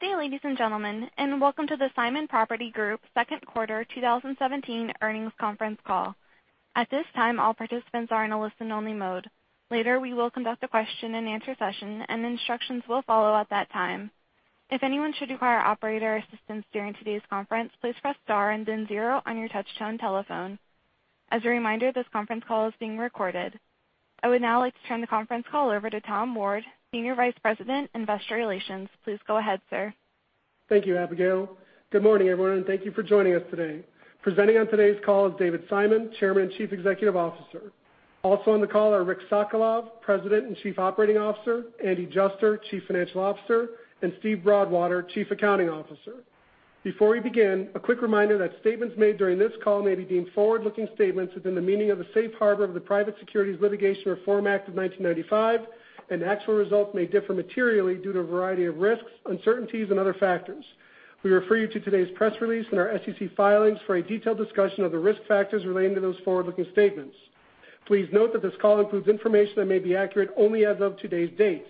Good day, ladies and gentlemen, welcome to the Simon Property Group second quarter 2017 earnings conference call. At this time, all participants are in a listen only mode. Later, we will conduct a question and answer session, instructions will follow at that time. If anyone should require operator assistance during today's conference, please press star and then zero on your touchtone telephone. As a reminder, this conference call is being recorded. I would now like to turn the conference call over to Thomas Ward, Senior Vice President, Investor Relations. Please go ahead, sir. Thank you, Abigail. Good morning, everyone, thank you for joining us today. Presenting on today's call is David Simon, Chairman and Chief Executive Officer. Also on the call are Richard Sokolov, President and Chief Operating Officer, Andrew Juster, Chief Financial Officer, Steven Broadwater, Chief Accounting Officer. Before we begin, a quick reminder that statements made during this call may be deemed forward-looking statements within the meaning of the safe harbor of the Private Securities Litigation Reform Act of 1995, actual results may differ materially due to a variety of risks, uncertainties, and other factors. We refer you to today's press release and our SEC filings for a detailed discussion of the risk factors relating to those forward-looking statements. Please note that this call includes information that may be accurate only as of today's date.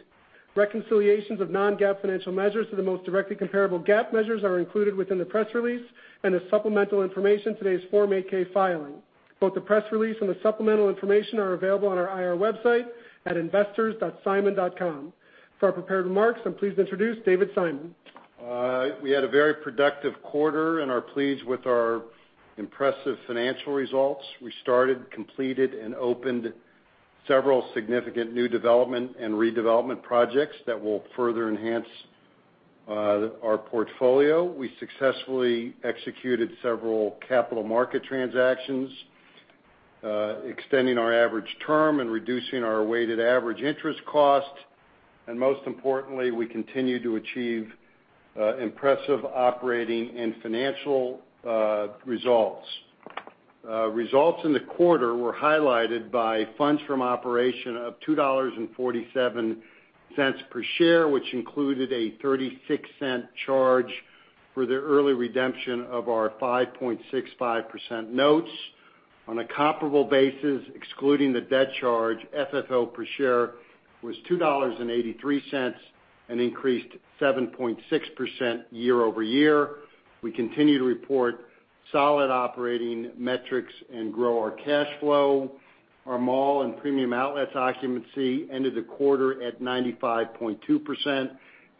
Reconciliations of non-GAAP financial measures to the most directly comparable GAAP measures are included within the press release and as supplemental information today's Form 8-K filing. Both the press release and the supplemental information are available on our IR website at investors.simon.com. For our prepared remarks, I am pleased to introduce David Simon. We had a very productive quarter, are pleased with our impressive financial results. We started, completed, opened several significant new development and redevelopment projects that will further enhance our portfolio. We successfully executed several capital market transactions, extending our average term, reducing our weighted average interest cost. Most importantly, we continue to achieve impressive operating and financial results. Results in the quarter were highlighted by funds from operation of $2.47 per share, which included a $0.36 charge for the early redemption of our 5.65% notes. On a comparable basis, excluding the debt charge, FFO per share was $2.83, an increase 7.6% year-over-year. We continue to report solid operating metrics and grow our cash flow. Our mall and premium outlets occupancy ended the quarter at 95.2%,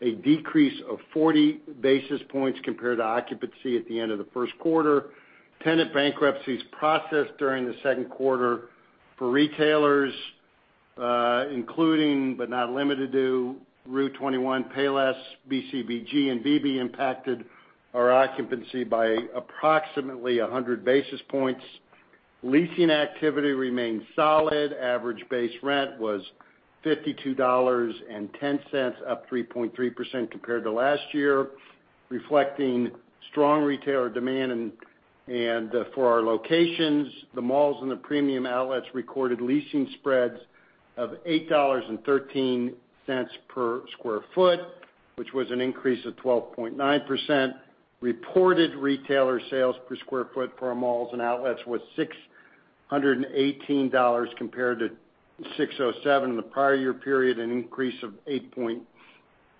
a decrease of 40 basis points compared to occupancy at the end of the first quarter. Tenant bankruptcies processed during the second quarter for retailers, including, but not limited to, rue21, Payless, BCBG, and bebe impacted our occupancy by approximately 100 basis points. Leasing activity remained solid. Average base rent was $52.10, up 3.3% compared to last year, reflecting strong retailer demand and for our locations. The malls and the premium outlets recorded leasing spreads of $8.13 per square foot, which was an increase of 12.9%. Reported retailer sales per square foot for our malls and outlets was $618 compared to $607 in the prior year period, an increase of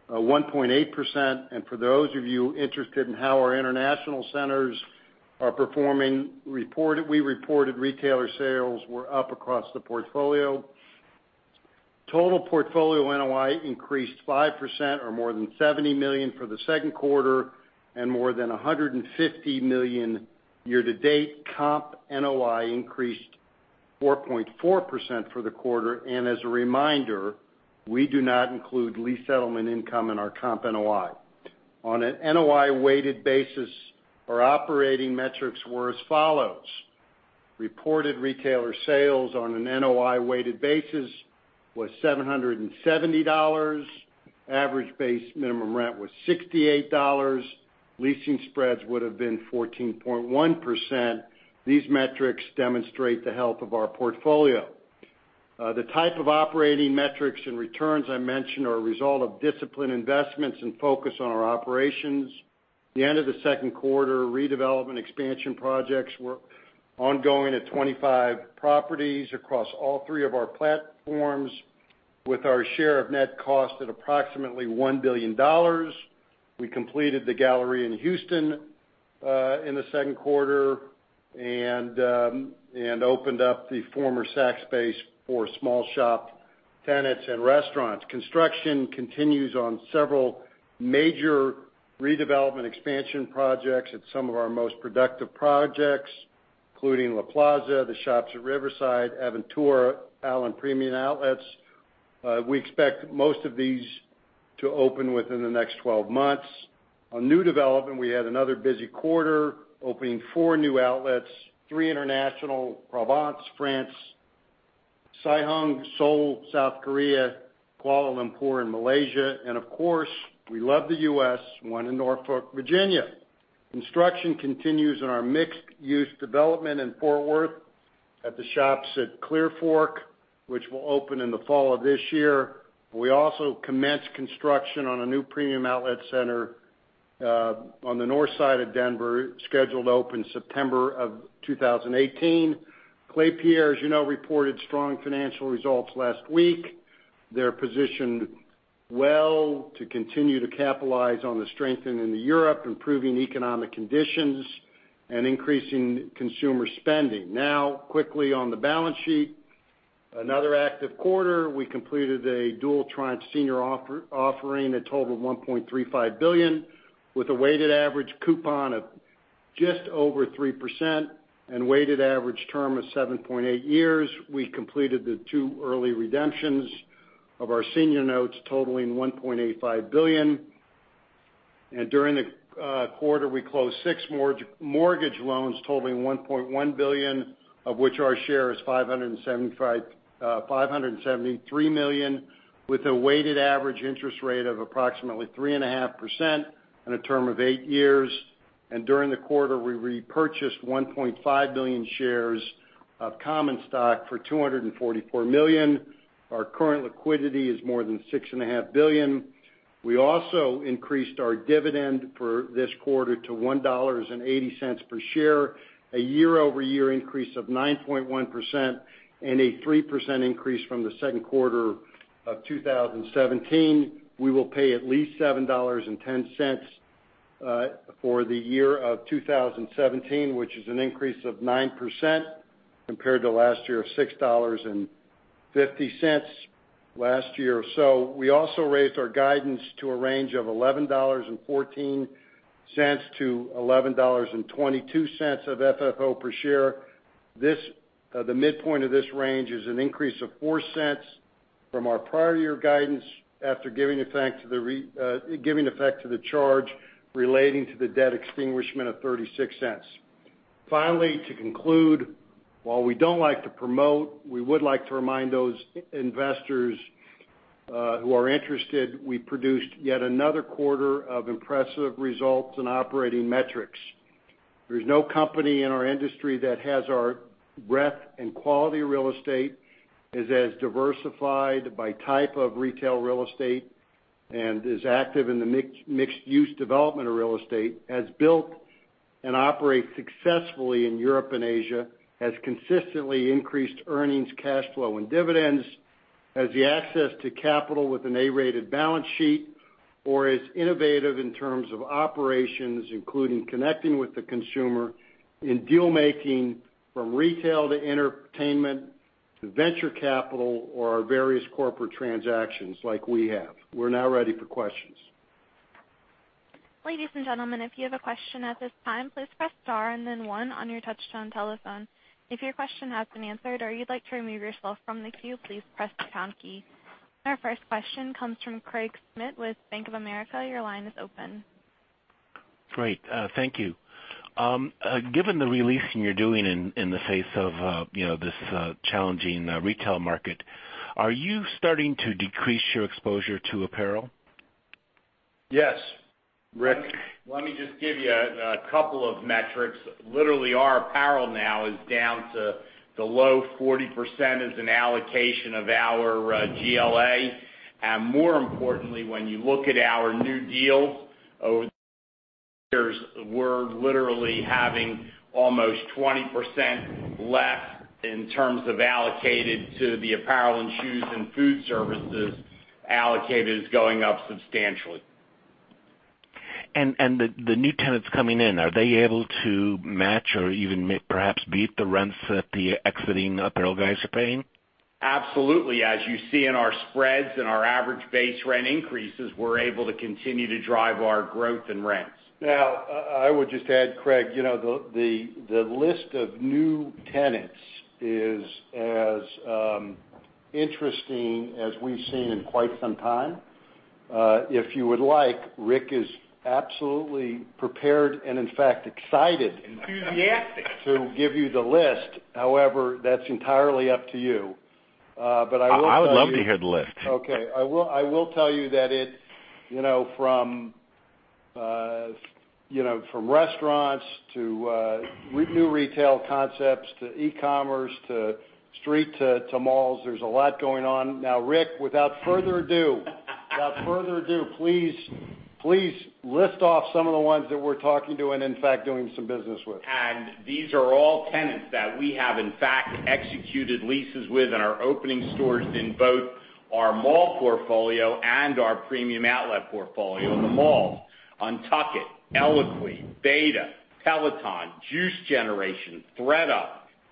1.8%. For those of you interested in how our international centers are performing, we reported retailer sales were up across the portfolio. Total portfolio NOI increased 5% or more than $70 million for the second quarter and more than $150 million year to date. Comp NOI increased 4.4% for the quarter. As a reminder, we do not include lease settlement income in our Comp NOI. On an NOI-weighted basis, our operating metrics were as follows. Reported retailer sales on an NOI-weighted basis was $770. Average base minimum rent was $68. Leasing spreads would have been 14.1%. These metrics demonstrate the health of our portfolio. The type of operating metrics and returns I mentioned are a result of disciplined investments and focus on our operations. At the end of the second quarter, redevelopment expansion projects were ongoing at 25 properties across all three of our platforms, with our share of net cost at approximately $1 billion. We completed The Galleria in Houston in the second quarter and opened up the former Saks space for small shop tenants and restaurants. Construction continues on several major redevelopment expansion projects at some of our most productive projects, including La Plaza, The Shops at Riverside, Aventura, Allen Premium Outlets. We expect most of these to open within the next 12 months. On new development, we had another busy quarter, opening four new outlets, three international, Provence, France, Siheung, Seoul, South Korea, Kuala Lumpur in Malaysia. Of course, we love the U.S., one in Norfolk, Virginia. Construction continues on our mixed-use development in Fort Worth at the Shops at Clearfork, which will open in the fall of this year. We also commenced construction on a new premium outlet center on the north side of Denver, scheduled to open September of 2018. Klépierre, as you know, reported strong financial results last week. They're positioned well to continue to capitalize on the strengthening in Europe, improving economic conditions, and increasing consumer spending. Now, quickly on the balance sheet, another active quarter. We completed a dual tranche senior offering, a total of $1.35 billion, with a weighted average coupon of just over 3% and weighted average term of 7.8 years. We completed the two early redemptions of our senior notes totaling $1.85 billion. During the quarter, we closed six mortgage loans totaling $1.1 billion, of which our share is $573 million, with a weighted average interest rate of approximately 3.5% and a term of eight years. During the quarter, we repurchased 1.5 million shares of common stock for $244 million. Our current liquidity is more than $6.5 billion. We also increased our dividend for this quarter to $1.80 per share, a year-over-year increase of 9.1% and a 3% increase from the second quarter of 2017. We will pay at least $7.10 for the year of 2017, which is an increase of 9% compared to last year of $6.50 last year. We also raised our guidance to a range of $11.14-$11.22 of FFO per share. The midpoint of this range is an increase of $0.04 from our prior year guidance after giving effect to the charge relating to the debt extinguishment of $0.36. Finally, to conclude, while we don't like to promote, we would like to remind those investors who are interested, we produced yet another quarter of impressive results in operating metrics. There's no company in our industry that has our breadth and quality of real estate, is as diversified by type of retail real estate, and is active in the mixed-use development of real estate, has built and operates successfully in Europe and Asia, has consistently increased earnings, cash flow, and dividends, has the access to capital with an A-rated balance sheet, or is innovative in terms of operations, including connecting with the consumer in deal making, from retail to entertainment to venture capital or various corporate transactions like we have. We're now ready for questions. Ladies and gentlemen, if you have a question at this time, please press star and then 1 on your touchtone telephone. If your question has been answered or you'd like to remove yourself from the queue, please press the pound key. Our first question comes from Craig Murlless with Bank of America. Your line is open. Great. Thank you. Given the releasing you're doing in the face of this challenging retail market, are you starting to decrease your exposure to apparel? Yes, Rick. Let me just give you a couple of metrics. Literally, our apparel now is down to below 40% as an allocation of our GLA. More importantly, when you look at our new deals over the years, we're literally having almost 20% less in terms of allocated to the apparel and shoes and food services, allocated is going up substantially. The new tenants coming in, are they able to match or even perhaps beat the rents that the exiting apparel guys are paying? Absolutely. As you see in our spreads and our average base rent increases, we're able to continue to drive our growth in rents. I would just add, Craig, the list of new tenants is as interesting as we've seen in quite some time. If you would like, Rick is absolutely prepared and in fact, excited. Enthusiastic to give you the list. That's entirely up to you. I will tell you. I would love to hear the list. Okay, I will tell you that from restaurants to new retail concepts to e-commerce to street to malls, there's a lot going on. Rick, without further ado, please list off some of the ones that we're talking to and in fact, doing some business with. These are all tenants that we have in fact executed leases with and are opening stores in both our mall portfolio and our premium outlet portfolio in the malls. UNTUCKit, ELOQUII, b8ta, Peloton, Juice Generation, thredUP,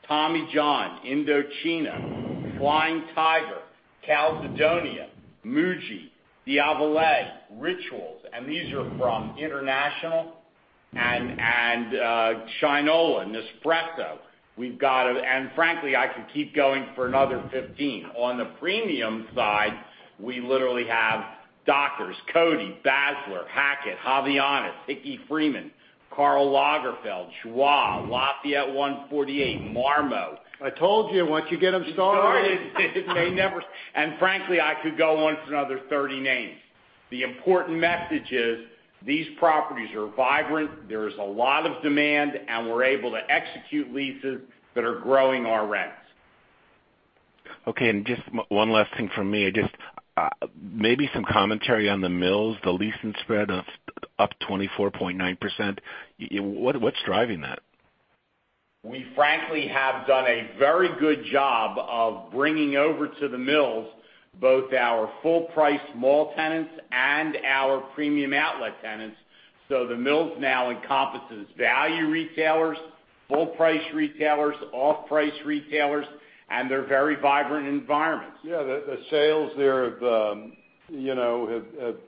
Tommy John, Indochino, Flying Tiger, Calzedonia, Muji, [Diadora], Rituals. These are from international and Shinola, Nespresso. Frankly, I could keep going for another 15. On the premium side, we literally have Dockers, Coty, Basler, Hackett, Havaianas, Hickey Freeman, Karl Lagerfeld, Joie, Lafayette 148, Marmo. I told you, once you get him started. Frankly, I could go on for another 30 names. The important message is these properties are vibrant, there's a lot of demand, and we're able to execute leases that are growing our rents. Okay, just one last thing from me. Just maybe some commentary on the malls, the leasing spread of up 24.9%. What's driving that? We frankly have done a very good job of bringing over to The Mills, both our full price mall tenants and our premium outlet tenants. The Mills now encompasses value retailers, full price retailers, off price retailers, and they're very vibrant environments. Yeah. The sales there have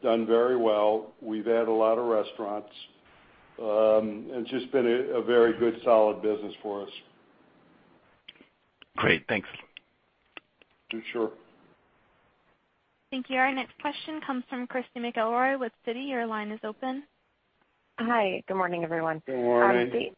done very well. We've added a lot of restaurants. It's just been a very good, solid business for us. Great. Thanks. Sure. Thank you. Our next question comes from Christy McElroy with Citi. Your line is open. Hi. Good morning, everyone. Good morning.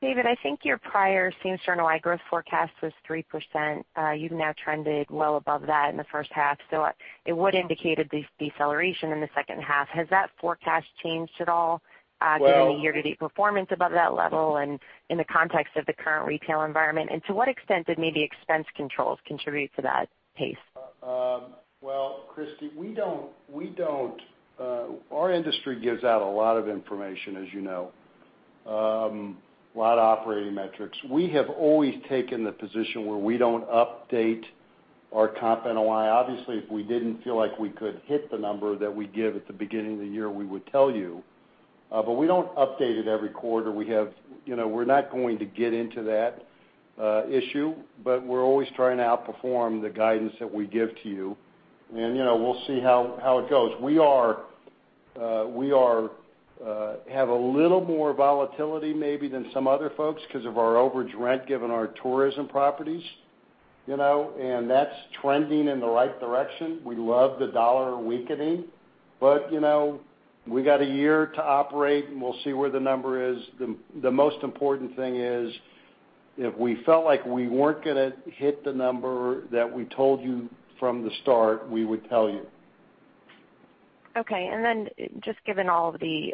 David, I think your prior same-store NOI growth forecast was 3%. You've now trended well above that in the first half, so it would indicate a deceleration in the second half. Has that forecast changed at all- Well- Given the year-to-date performance above that level and in the context of the current retail environment? To what extent did maybe expense controls contribute to that pace? Well, Christy, our industry gives out a lot of information as you know, a lot of operating metrics. We have always taken the position where we don't update our Comp NOI. Obviously, if we didn't feel like we could hit the number that we give at the beginning of the year, we would tell you. We don't update it every quarter. We're not going to get into that issue, but we're always trying to outperform the guidance that we give to you. We'll see how it goes. We have a little more volatility maybe than some other folks because of our overage rent, given our tourism properties. That's trending in the right direction. We love the dollar weakening, but we got a year to operate, and we'll see where the number is. The most important thing is, if we felt like we weren't going to hit the number that we told you from the start, we would tell you. Okay. Just given all of the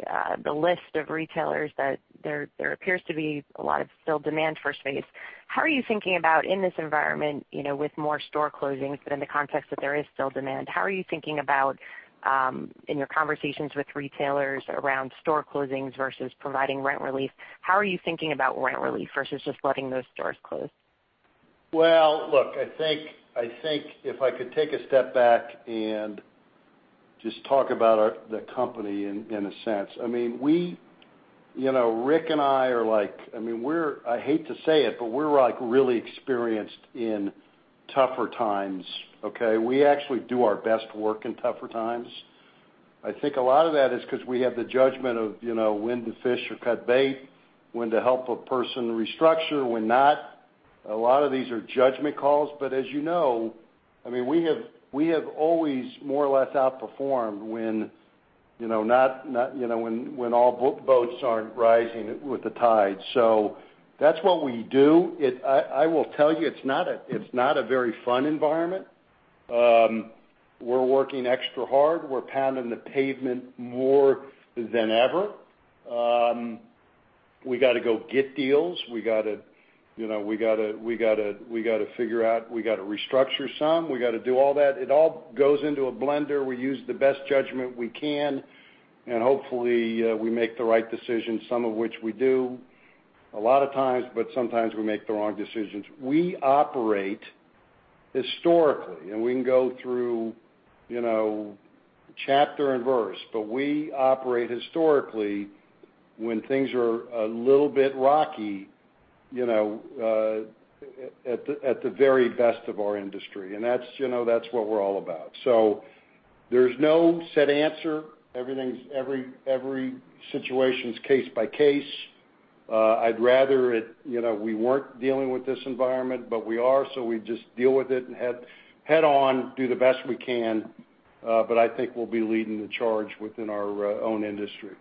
list of retailers that there appears to be a lot of still demand for space. How are you thinking about in this environment with more store closings but in the context that there is still demand, how are you thinking about, in your conversations with retailers around store closings versus providing rent relief, how are you thinking about rent relief versus just letting those stores close? Well, look, I think if I could take a step back and just talk about the company in a sense. Rick and I are like, I hate to say it, but we're really experienced in tougher times. Okay. We actually do our best work in tougher times. I think a lot of that is because we have the judgment of when to fish or cut bait, when to help a person restructure, when not. A lot of these are judgment calls. As you know, we have always more or less outperformed when all boats aren't rising with the tide. That's what we do. I will tell you, it's not a very fun environment. We're working extra hard. We're pounding the pavement more than ever. We got to go get deals. We got to restructure some. We got to do all that. It all goes into a blender. We use the best judgment we can, and hopefully, we make the right decisions, some of which we do a lot of times, but sometimes we make the wrong decisions. We operate historically, and we can go through chapter and verse, but we operate historically when things are a little bit rocky at the very best of our industry. That's what we're all about. There's no set answer. Every situation's case by case. I'd rather we weren't dealing with this environment, but we are, so we just deal with it head on, do the best we can. I think we'll be leading the charge within our own industry.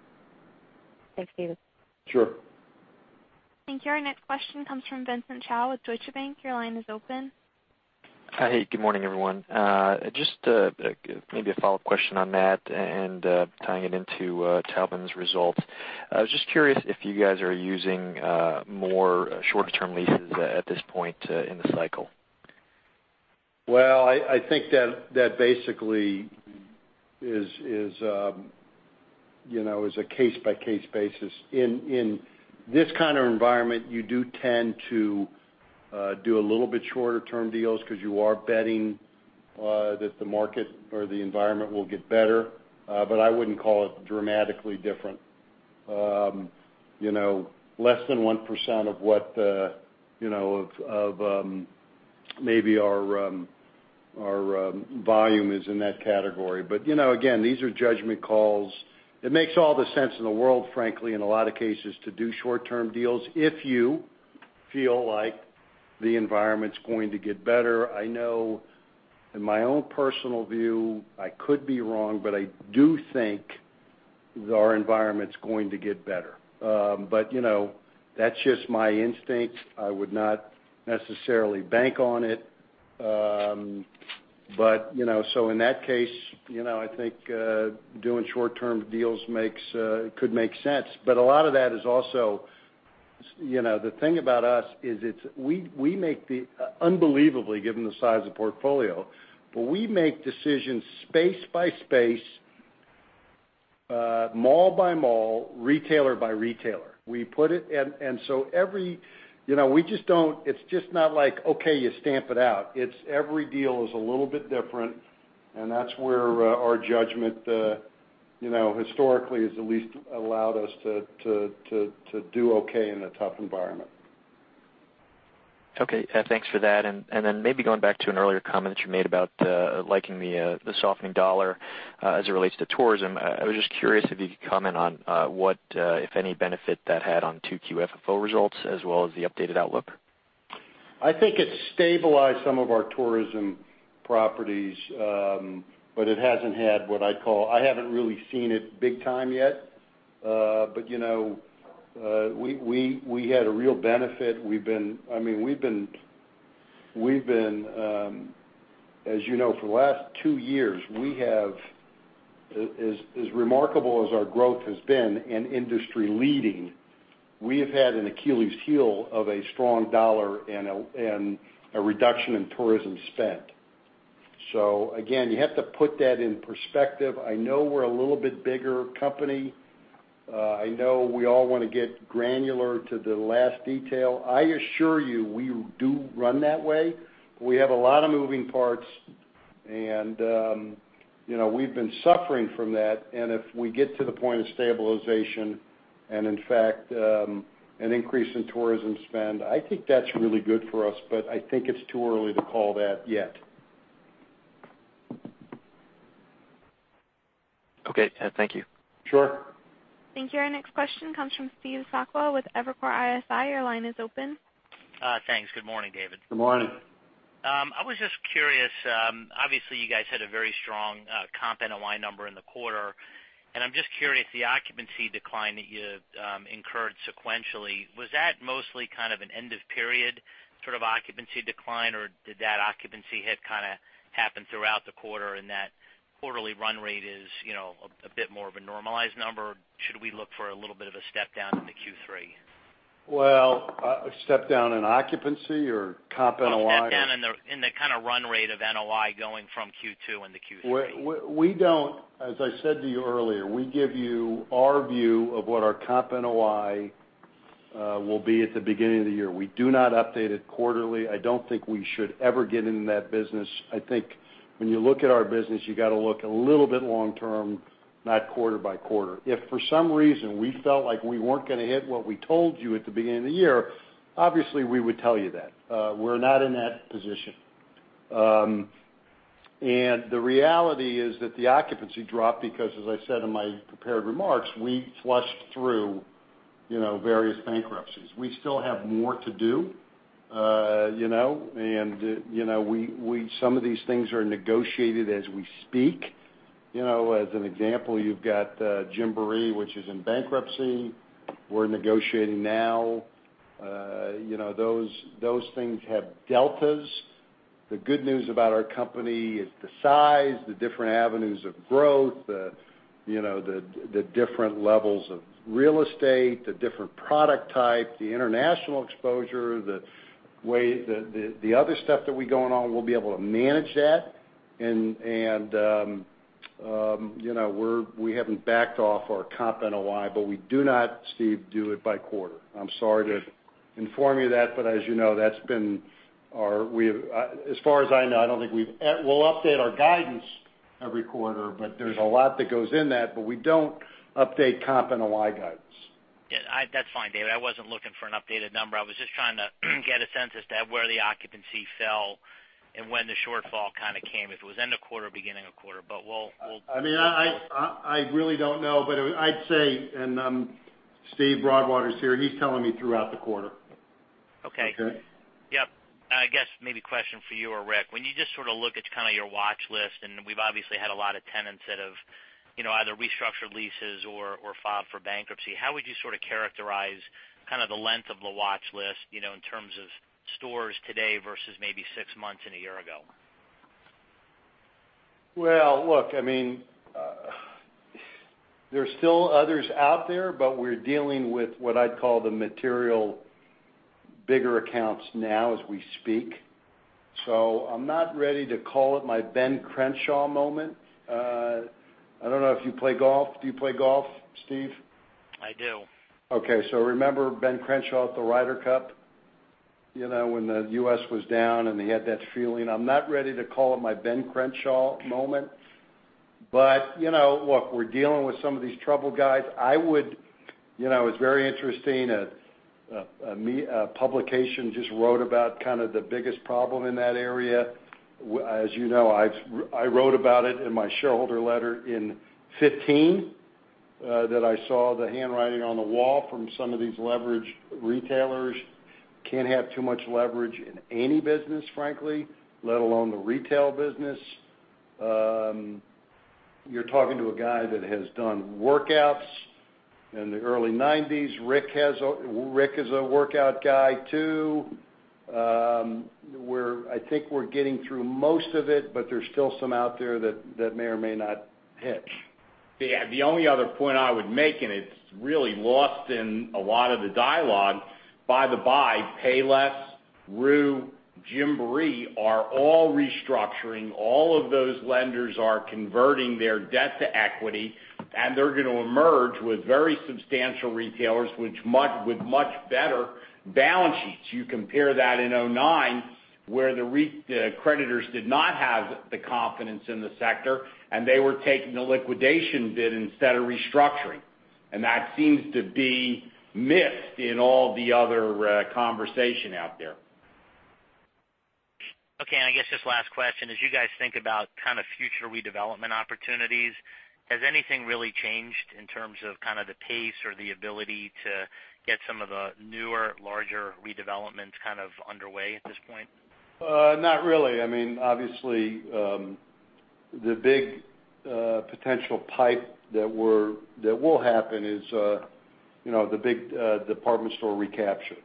Thanks, David. Sure. Thank you. Our next question comes from Vincent Chao with Deutsche Bank. Your line is open. Hey, good morning, everyone. Just maybe a follow-up question on that and tying it into Taubman's results. I was just curious if you guys are using more short-term leases at this point in the cycle. I think that basically is a case-by-case basis. In this kind of environment, you do tend to do a little bit shorter term deals because you are betting that the market or the environment will get better. I wouldn't call it dramatically different. Less than 1% of maybe our volume is in that category. Again, these are judgment calls. It makes all the sense in the world, frankly, in a lot of cases, to do short-term deals if you feel like the environment's going to get better. I know in my own personal view, I could be wrong, but I do think our environment's going to get better. That's just my instinct. I would not necessarily bank on it. In that case, I think doing short-term deals could make sense. A lot of that is also The thing about us is we make decisions, unbelievably, given the size of portfolio, space by space, mall by mall, retailer by retailer. It's just not like, okay, you stamp it out. Every deal is a little bit different, and that's where our judgment historically has at least allowed us to do okay in a tough environment. Okay. Thanks for that. Maybe going back to an earlier comment that you made about liking the softening dollar as it relates to tourism, I was just curious if you could comment on what, if any benefit that had on 2Q FFO results as well as the updated outlook. I think it stabilized some of our tourism properties. It hasn't had what I'd call I haven't really seen it big time yet. We had a real benefit. As you know, for the last two years, as remarkable as our growth has been and industry leading, we have had an Achilles heel of a strong dollar and a reduction in tourism spend. Again, you have to put that in perspective. I know we're a little bit bigger company. I know we all want to get granular to the last detail. I assure you, we do run that way. We have a lot of moving parts, and we've been suffering from that. If we get to the point of stabilization, and in fact, an increase in tourism spend, I think that's really good for us, but I think it's too early to call that yet. Okay. Thank you. Sure. Thank you. Our next question comes from Steve Sakwa with Evercore ISI. Your line is open. Thanks. Good morning, David. Good morning. I was just curious. Obviously, you guys had a very strong Comp NOI number in the quarter, and I'm just curious, the occupancy decline that you incurred sequentially, was that mostly kind of an end of period sort of occupancy decline, or did that occupancy hit kind of happen throughout the quarter and that quarterly run rate is a bit more of a normalized number, or should we look for a little bit of a step down into Q3? Well, a step down in occupancy or Comp NOI? A step down in the kind of run rate of NOI going from Q2 into Q3. As I said to you earlier, we give you our view of what our Comp NOI will be at the beginning of the year. We do not update it quarterly. I don't think we should ever get into that business. I think when you look at our business, you got to look a little bit long term, not quarter by quarter. If for some reason we felt like we weren't going to hit what we told you at the beginning of the year, obviously, we would tell you that. We're not in that position. The reality is that the occupancy dropped because, as I said in my prepared remarks, we flushed through various bankruptcies. We still have more to do. Some of these things are negotiated as we speak. As an example, you've got Gymboree, which is in bankruptcy. We're negotiating now. Those things have deltas. The good news about our company is the size, the different avenues of growth, the different levels of real estate, the different product type, the international exposure, the other stuff that we going on, we'll be able to manage that. We haven't backed off our Comp NOI, we do not, Steve, do it by quarter. I'm sorry to inform you of that, as you know, as far as I know, we'll update our guidance every quarter, there's a lot that goes in that, we don't update Comp NOI guidance. Yeah. That's fine, David. I wasn't looking for an updated number. I was just trying to get a sense as to where the occupancy fell and when the shortfall kind of came, if it was end of quarter, beginning of quarter. I really don't know, I'd say, and Steven Broadwater is here, he's telling me throughout the quarter. Okay. Okay? Yep. I guess maybe a question for you or Rick. When you just sort of look at kind of your watch list, we've obviously had a lot of tenants that have either restructured leases or filed for bankruptcy, how would you sort of characterize kind of the length of the watch list in terms of stores today versus maybe six months and a year ago? Well, look, there's still others out there, but we're dealing with what I'd call the material bigger accounts now as we speak. I'm not ready to call it my Ben Crenshaw moment. I don't know if you play golf. Do you play golf, Steve? I do. Okay. Remember Ben Crenshaw at the Ryder Cup, when the U.S. was down, and he had that feeling. I'm not ready to call it my Ben Crenshaw moment. Look, we're dealing with some of these trouble guys. It's very interesting. A publication just wrote about kind of the biggest problem in that area. As you know, I wrote about it in my shareholder letter in 2015, that I saw the handwriting on the wall from some of these leveraged retailers. Can't have too much leverage in any business, frankly, let alone the retail business. You're talking to a guy that has done workouts in the early 1990s. Rick is a workout guy, too. I think we're getting through most of it, but there's still some out there that may or may not hit. Yeah. The only other point I would make, and it's really lost in a lot of the dialogue, by the by, Payless, rue21, Gymboree are all restructuring. All of those lenders are converting their debt to equity, and they're going to emerge with very substantial retailers with much better balance sheets. You compare that in 2009, where the creditors did not have the confidence in the sector, and they were taking a liquidation bid instead of restructuring. That seems to be missed in all the other conversation out there. Okay. I guess just last question, as you guys think about kind of future redevelopment opportunities, has anything really changed in terms of kind of the pace or the ability to get some of the newer, larger redevelopments kind of underway at this point? Not really. Obviously, the big potential pipe that will happen is the big department store recapture.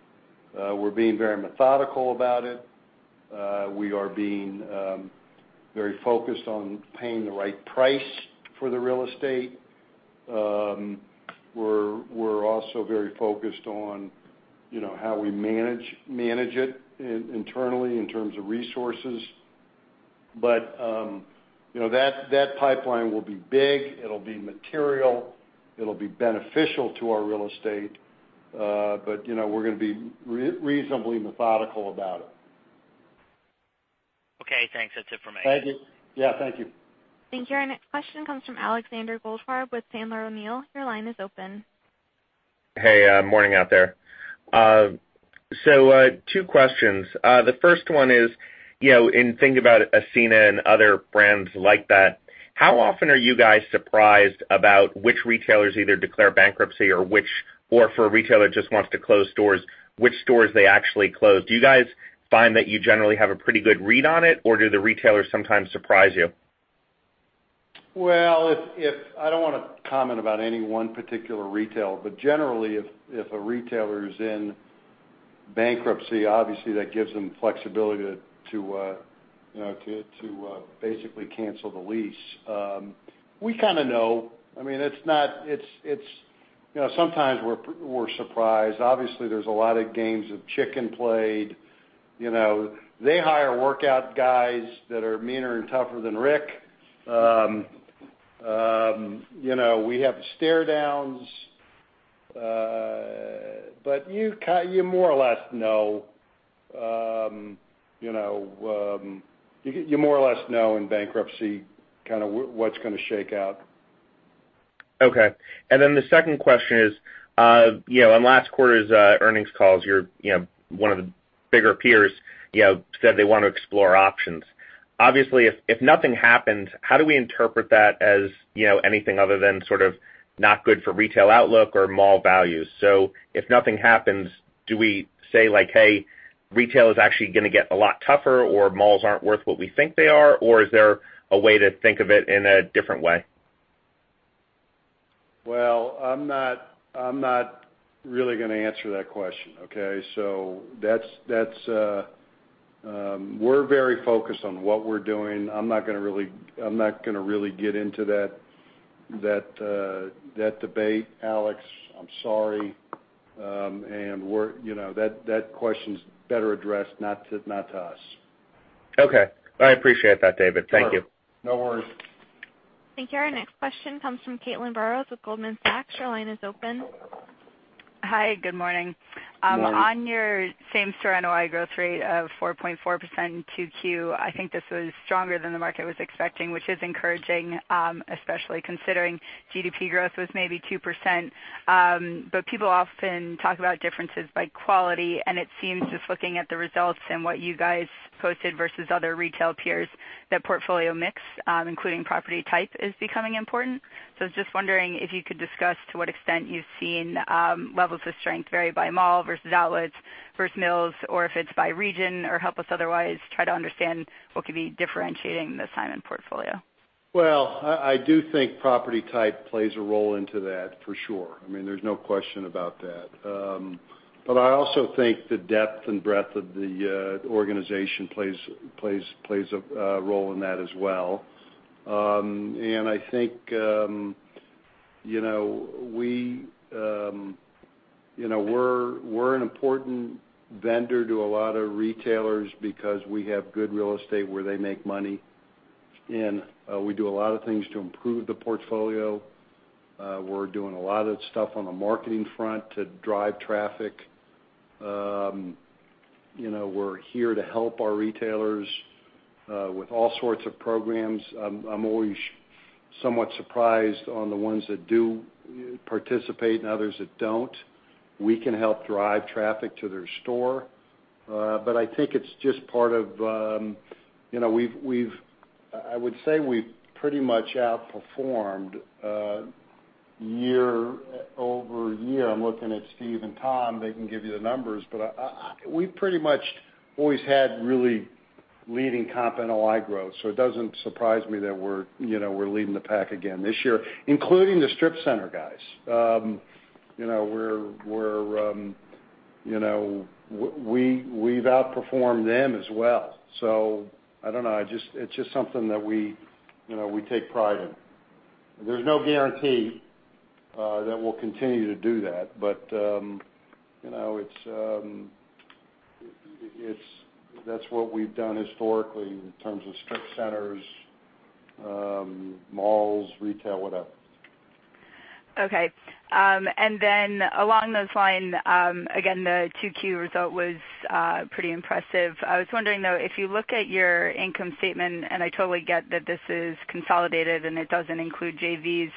We are being very methodical about it. We are being very focused on paying the right price for the real estate. We are also very focused on how we manage it internally in terms of resources. That pipeline will be big, it will be material, it will be beneficial to our real estate. We are going to be reasonably methodical about it. Okay, thanks. That's it for me. Thank you. Yeah, thank you. Thank you. Our next question comes from Alexander Goldfarb with Sandler O'Neill. Your line is open. Hey, morning out there. Two questions. The first one is, in thinking about Ascena and other brands like that, how often are you guys surprised about which retailers either declare bankruptcy or for a retailer just wants to close stores, which stores they actually close? Do you guys find that you generally have a pretty good read on it, or do the retailers sometimes surprise you? I don't want to comment about any one particular retail, but generally, if a retailer is in bankruptcy, obviously that gives them flexibility to basically cancel the lease. We kind of know. Sometimes we're surprised. Obviously, there's a lot of games of chicken played. They hire workout guys that are meaner and tougher than Rick. We have stare downs. You more or less know in bankruptcy kind of what's going to shake out. Okay. The second question is, on last quarter's earnings calls, one of the bigger peers said they want to explore options. Obviously, if nothing happens, how do we interpret that as anything other than sort of not good for retail outlook or mall values? If nothing happens, do we say, like, "Hey, retail is actually going to get a lot tougher, or malls aren't worth what we think they are," or is there a way to think of it in a different way? Well, I'm not really going to answer that question, okay? We're very focused on what we're doing. I'm not going to really get into that debate, Alex. I'm sorry. That question's better addressed not to us. Okay. I appreciate that, David. Thank you. Sure. No worries. Thank you. Our next question comes from Caitlin Burrows with Goldman Sachs. Your line is open. Hi, good morning. Good morning. On your same store NOI growth rate of 4.4% in Q2, I think this was stronger than the market was expecting, which is encouraging, especially considering GDP growth was maybe 2%. People often talk about differences by quality, and it seems just looking at the results and what you guys posted versus other retail peers, that portfolio mix, including property type, is becoming important. I was just wondering if you could discuss to what extent you've seen levels of strength vary by mall versus outlets versus Mills, or if it's by region or help us otherwise try to understand what could be differentiating the Simon portfolio. Well, I do think property type plays a role into that for sure. There's no question about that. I also think the depth and breadth of the organization plays a role in that as well. I think we're an important vendor to a lot of retailers because we have good real estate where they make money, and we do a lot of things to improve the portfolio. We're doing a lot of stuff on the marketing front to drive traffic. We're here to help our retailers with all sorts of programs. I'm always somewhat surprised on the ones that do participate and others that don't. We can help drive traffic to their store. I think it's just I would say we've pretty much outperformed year-over-year. I'm looking at Steve and Tom. They can give you the numbers, but we pretty much always had really leading Comp NOI growth. It doesn't surprise me that we're leading the pack again this year, including the strip center guys. We've outperformed them as well. I don't know. It's just something that we take pride in. There's no guarantee that we'll continue to do that, but that's what we've done historically in terms of strip centers, malls, retail, whatever. Okay. Along those lines, again, the 2Q result was pretty impressive. I was wondering, though, if you look at your income statement, and I totally get that this is consolidated and it doesn't include JVs,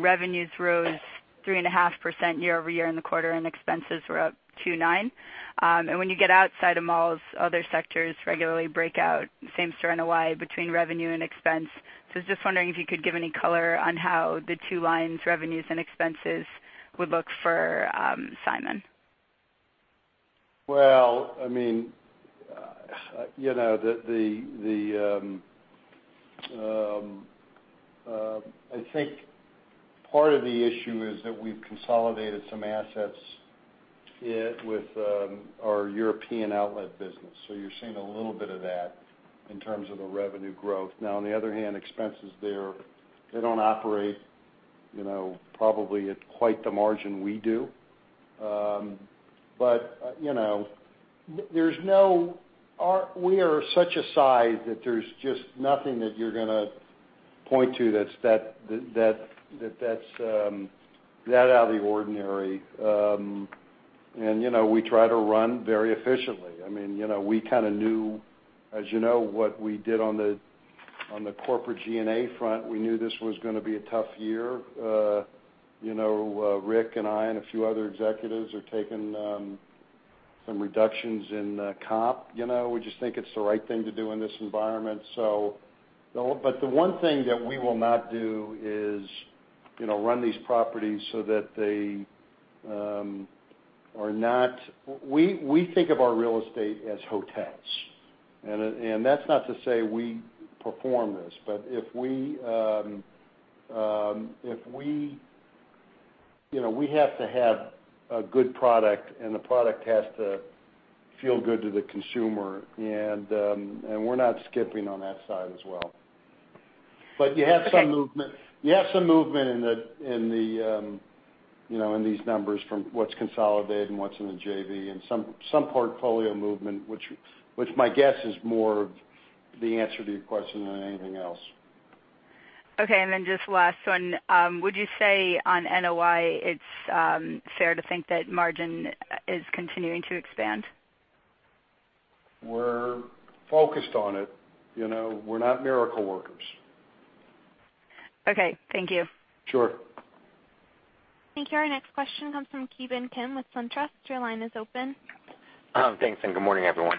revenues rose 3.5% year-over-year in the quarter, and expenses were up 2.9%. When you get outside of malls, other sectors regularly break out same store NOI between revenue and expense. I was just wondering if you could give any color on how the two lines, revenues and expenses, would look for Simon. Well, I think part of the issue is that we've consolidated some assets with our European outlet business. You're seeing a little bit of that in terms of the revenue growth. Now, on the other hand, expenses there, they don't operate probably at quite the margin we do. We are such a size that there's just nothing that you're going to point to that's that out of the ordinary. We try to run very efficiently. As you know, what we did on the corporate G&A front, we knew this was going to be a tough year. Rick and I and a few other executives are taking some reductions in comp. We just think it's the right thing to do in this environment. The one thing that we will not do is run these properties. We think of our real estate as hotels. That's not to say we perform this, we have to have a good product, the product has to feel good to the consumer, we're not skimping on that side as well. Okay. You have some movement in these numbers from what's consolidated and what's in the JV and some portfolio movement, which my guess is more of the answer to your question than anything else. Okay. Then just last one. Would you say on NOI, it's fair to think that margin is continuing to expand? We're focused on it. We're not miracle workers. Okay. Thank you. Sure. Thank you. Our next question comes from Ki Bin Kim with SunTrust. Your line is open. Thanks. Good morning, everyone.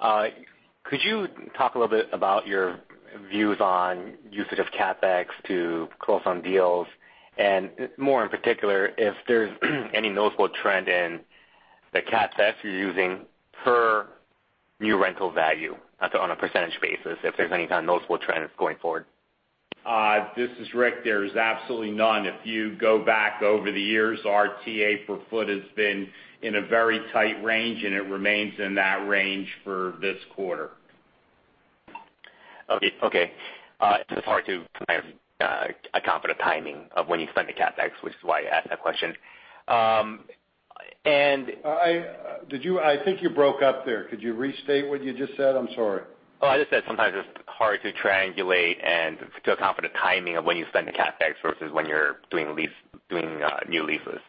Could you talk a little bit about your views on usage of CapEx to close on deals, more in particular, if there's any notable trend in the CapEx you're using per new rental value, on a percentage basis, if there's any kind of notable trend that's going forward? This is Rick. There's absolutely none. If you go back over the years, our TA per foot has been in a very tight range. It remains in that range for this quarter. Okay. It's hard to kind of accomplish a timing of when you spend the CapEx, which is why I asked that question. I think you broke up there. Could you restate what you just said? I'm sorry. Oh, I just said sometimes it's hard to triangulate and to accomplish a timing of when you spend the CapEx versus when you're doing new leases.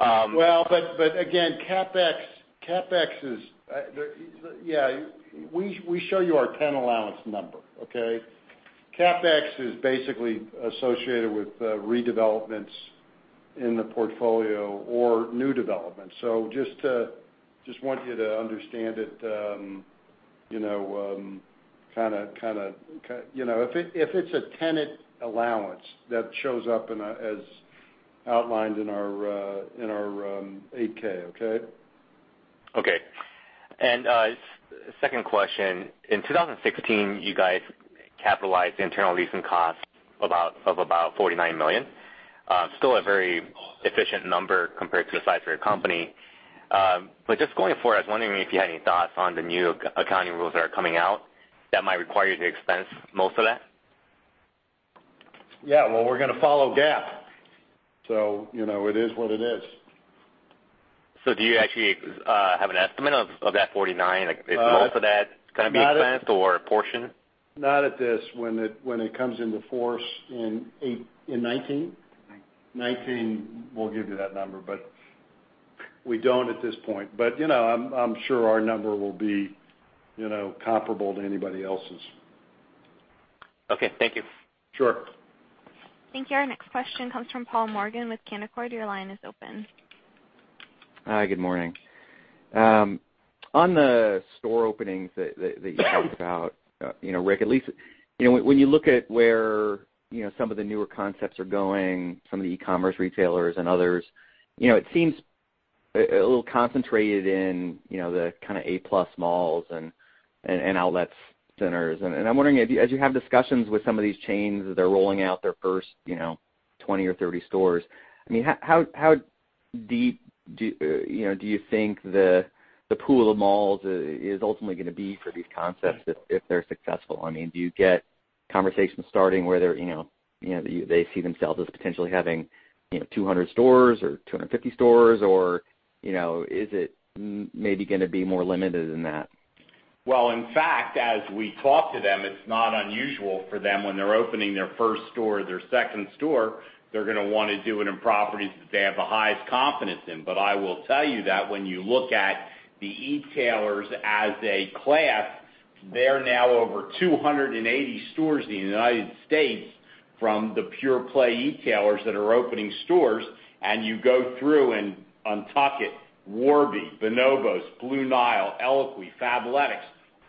Well, again, we show you our tenant allowance number. Okay? CapEx is basically associated with redevelopments in the portfolio or new developments. Just want you to understand it, if it's a tenant allowance that shows up as outlined in our 8-K. Okay? Okay. Second question. In 2016, you guys capitalized internal leasing costs of about $49 million. Still a very efficient number compared to the size of your company. Just going forward, I was wondering if you had any thoughts on the new accounting rules that are coming out that might require you to expense most of that? Yeah. We're going to follow GAAP, it is what it is. Do you actually have an estimate of that 49? Like, if most of that is going to be expensed or a portion? Not at this. When it comes into force in 2019. '19. 2019, we'll give you that number, we don't at this point. I'm sure our number will be comparable to anybody else's. Okay. Thank you. Sure. Thank you. Our next question comes from Paul Morgan with Canaccord. Your line is open. Hi, good morning. On the store openings that you talked about, Rick, when you look at where some of the newer concepts are going, some of the e-commerce retailers and others, it seems a little concentrated in the kind of A-plus malls and outlet centers. I'm wondering, as you have discussions with some of these chains as they're rolling out their first 20 or 30 stores, how deep do you think the pool of malls is ultimately going to be for these concepts if they're successful? Do you get conversations starting where they see themselves as potentially having 200 stores or 250 stores, or is it maybe going to be more limited than that? Well, in fact, as we talk to them, it's not unusual for them when they're opening their first store, their second store, they're going to want to do it in properties that they have the highest confidence in. I will tell you that when you look at the e-tailers as a class, they're now over 280 stores in the United States from the pure play e-tailers that are opening stores, and you go through and UNTUCKit, Warby, Bonobos, Blue Nile, ELOQUII, Fabletics,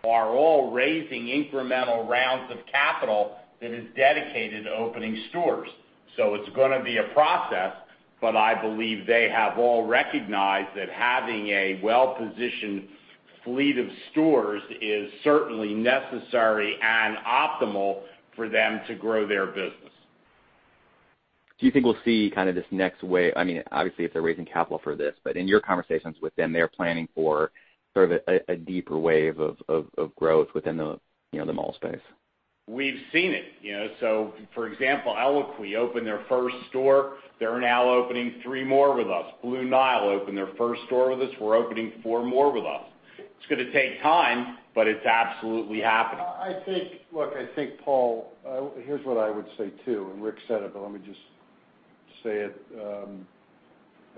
are all raising incremental rounds of capital that is dedicated to opening stores. It's going to be a process, but I believe they have all recognized that having a well-positioned fleet of stores is certainly necessary and optimal for them to grow their business. Do you think we'll see kind of this next wave, obviously if they're raising capital for this, in your conversations with them, they are planning for sort of a deeper wave of growth within the mall space? We've seen it. For example, ELOQUII opened their first store. They're now opening three more with us. Blue Nile opened their first store with us, we're opening four more with us. It's going to take time, it's absolutely happening. Look, I think, Paul, here's what I would say, too, Rick said it, let me just say it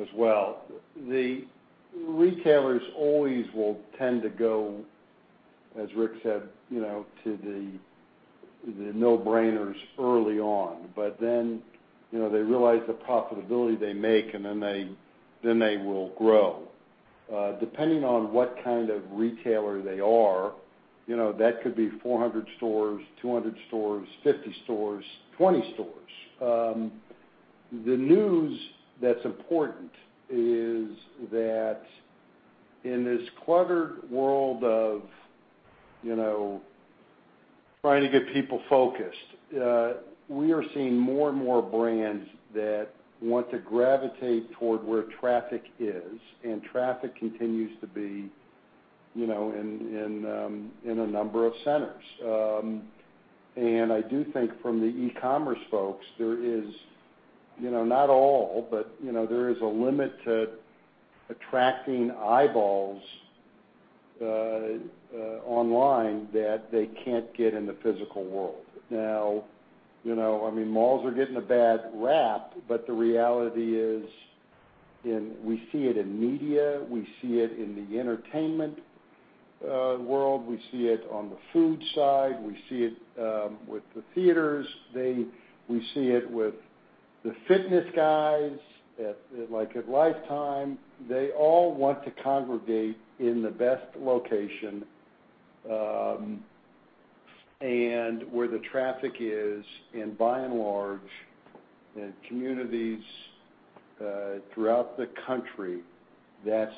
as well. The retailers always will tend to go, as Rick said, to the no-brainers early on. They realize the profitability they make, they will grow. Depending on what kind of retailer they are, that could be 400 stores, 200 stores, 50 stores, 20 stores. The news that's important is that in this cluttered world of trying to get people focused, we are seeing more and more brands that want to gravitate toward where traffic is, traffic continues to be in a number of centers. I do think from the e-commerce folks, there is, not all, but there is a limit to attracting eyeballs online that they can't get in the physical world. Malls are getting a bad rap, the reality is, we see it in media, we see it in the entertainment world, we see it on the food side, we see it with the theaters, we see it with the fitness guys, like at Life Time. They all want to congregate in the best location, where the traffic is, by and large, in communities throughout the country, that's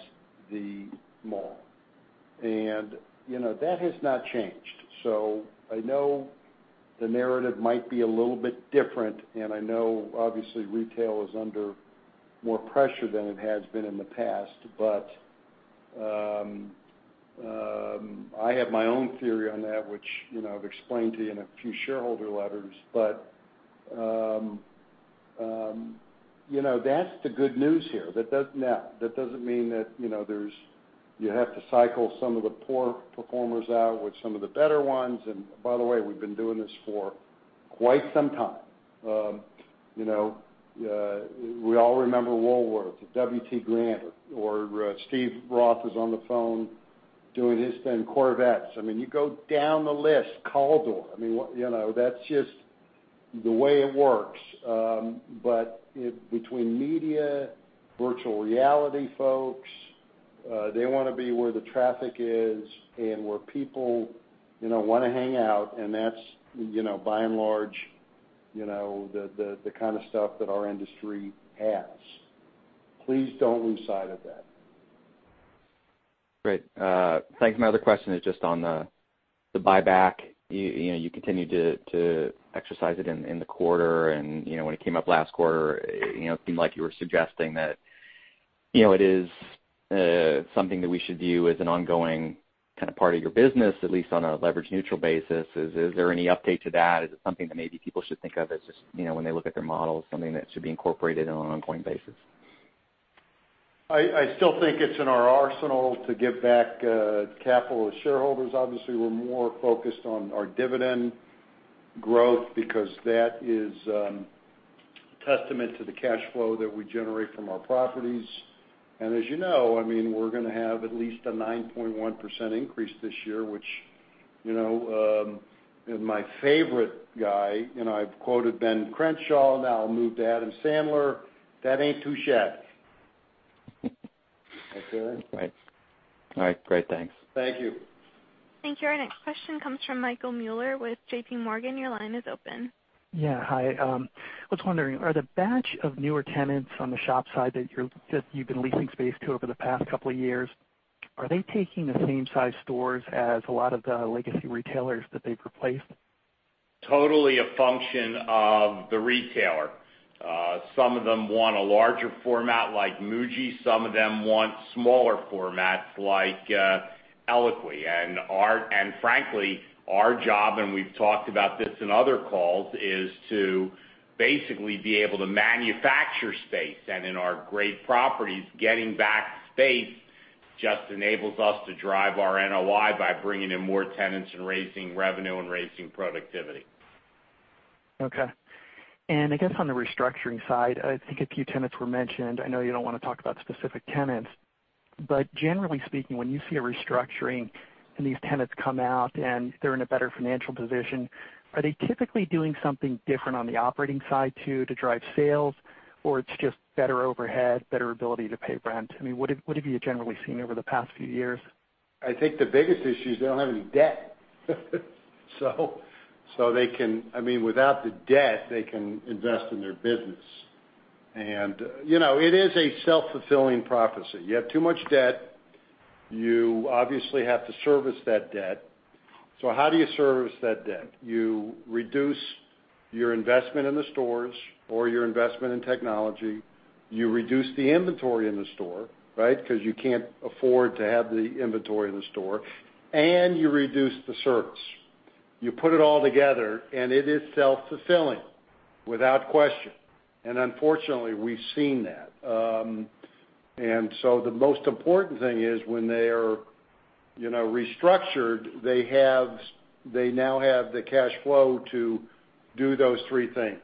the mall. That has not changed. I know the narrative might be a little bit different, I know obviously retail is under more pressure than it has been in the past. I have my own theory on that, which, I've explained to you in a few shareholder letters. That's the good news here. That doesn't mean that you have to cycle some of the poor performers out with some of the better ones. By the way, we've been doing this for quite some time. We all remember Woolworth's, W.T. Grant or Steve Roth was on the phone doing his thing, Corvette. You go down the list, Caldor. Between media, virtual reality folks, they want to be where the traffic is and where people want to hang out, that's, by and large, the kind of stuff that our industry has. Please don't lose sight of that. Great. Thanks. My other question is just on the buyback. You continued to exercise it in the quarter. When it came up last quarter, it seemed like you were suggesting that it is something that we should view as an ongoing kind of part of your business, at least on a leverage neutral basis. Is there any update to that? Is it something that maybe people should think of as just when they look at their models, something that should be incorporated on an ongoing basis? I still think it's in our arsenal to give back capital to shareholders. Obviously, we're more focused on our dividend growth because that is testament to the cash flow that we generate from our properties. As you know, we're going to have at least a 9.1% increase this year, which my favorite guy, I've quoted Ben Crenshaw, now I'll move to Adam Sandler, "That ain't too shabby." Okay. Right. All right, great. Thanks. Thank you. Thank you. Our next question comes from Michael Mueller with JPMorgan. Your line is open. Yeah. Hi. I was wondering, are the batch of newer tenants on the shop side that you've been leasing space to over the past couple of years, are they taking the same size stores as a lot of the legacy retailers that they've replaced? Totally a function of the retailer. Some of them want a larger format like Muji. Some of them want smaller formats like ELOQUII. Frankly, our job, and we've talked about this in other calls, is to basically be able to manufacture space. In our great properties, getting back space just enables us to drive our NOI by bringing in more tenants and raising revenue and raising productivity. Okay. I guess on the restructuring side, I think a few tenants were mentioned. I know you don't want to talk about specific tenants, but generally speaking, when you see a restructuring and these tenants come out and they're in a better financial position, are they typically doing something different on the operating side too to drive sales? It's just better overhead, better ability to pay rent? I mean, what have you generally seen over the past few years? I think the biggest issue is they don't have any debt. I mean, without the debt, they can invest in their business. It is a self-fulfilling prophecy. You have too much debt, you obviously have to service that debt. How do you service that debt? You reduce your investment in the stores or your investment in technology. You reduce the inventory in the store, right? Because you can't afford to have the inventory in the store, and you reduce the service. You put it all together, and it is self-fulfilling, without question. Unfortunately, we've seen that. The most important thing is when they are restructured, they now have the cash flow to do those three things.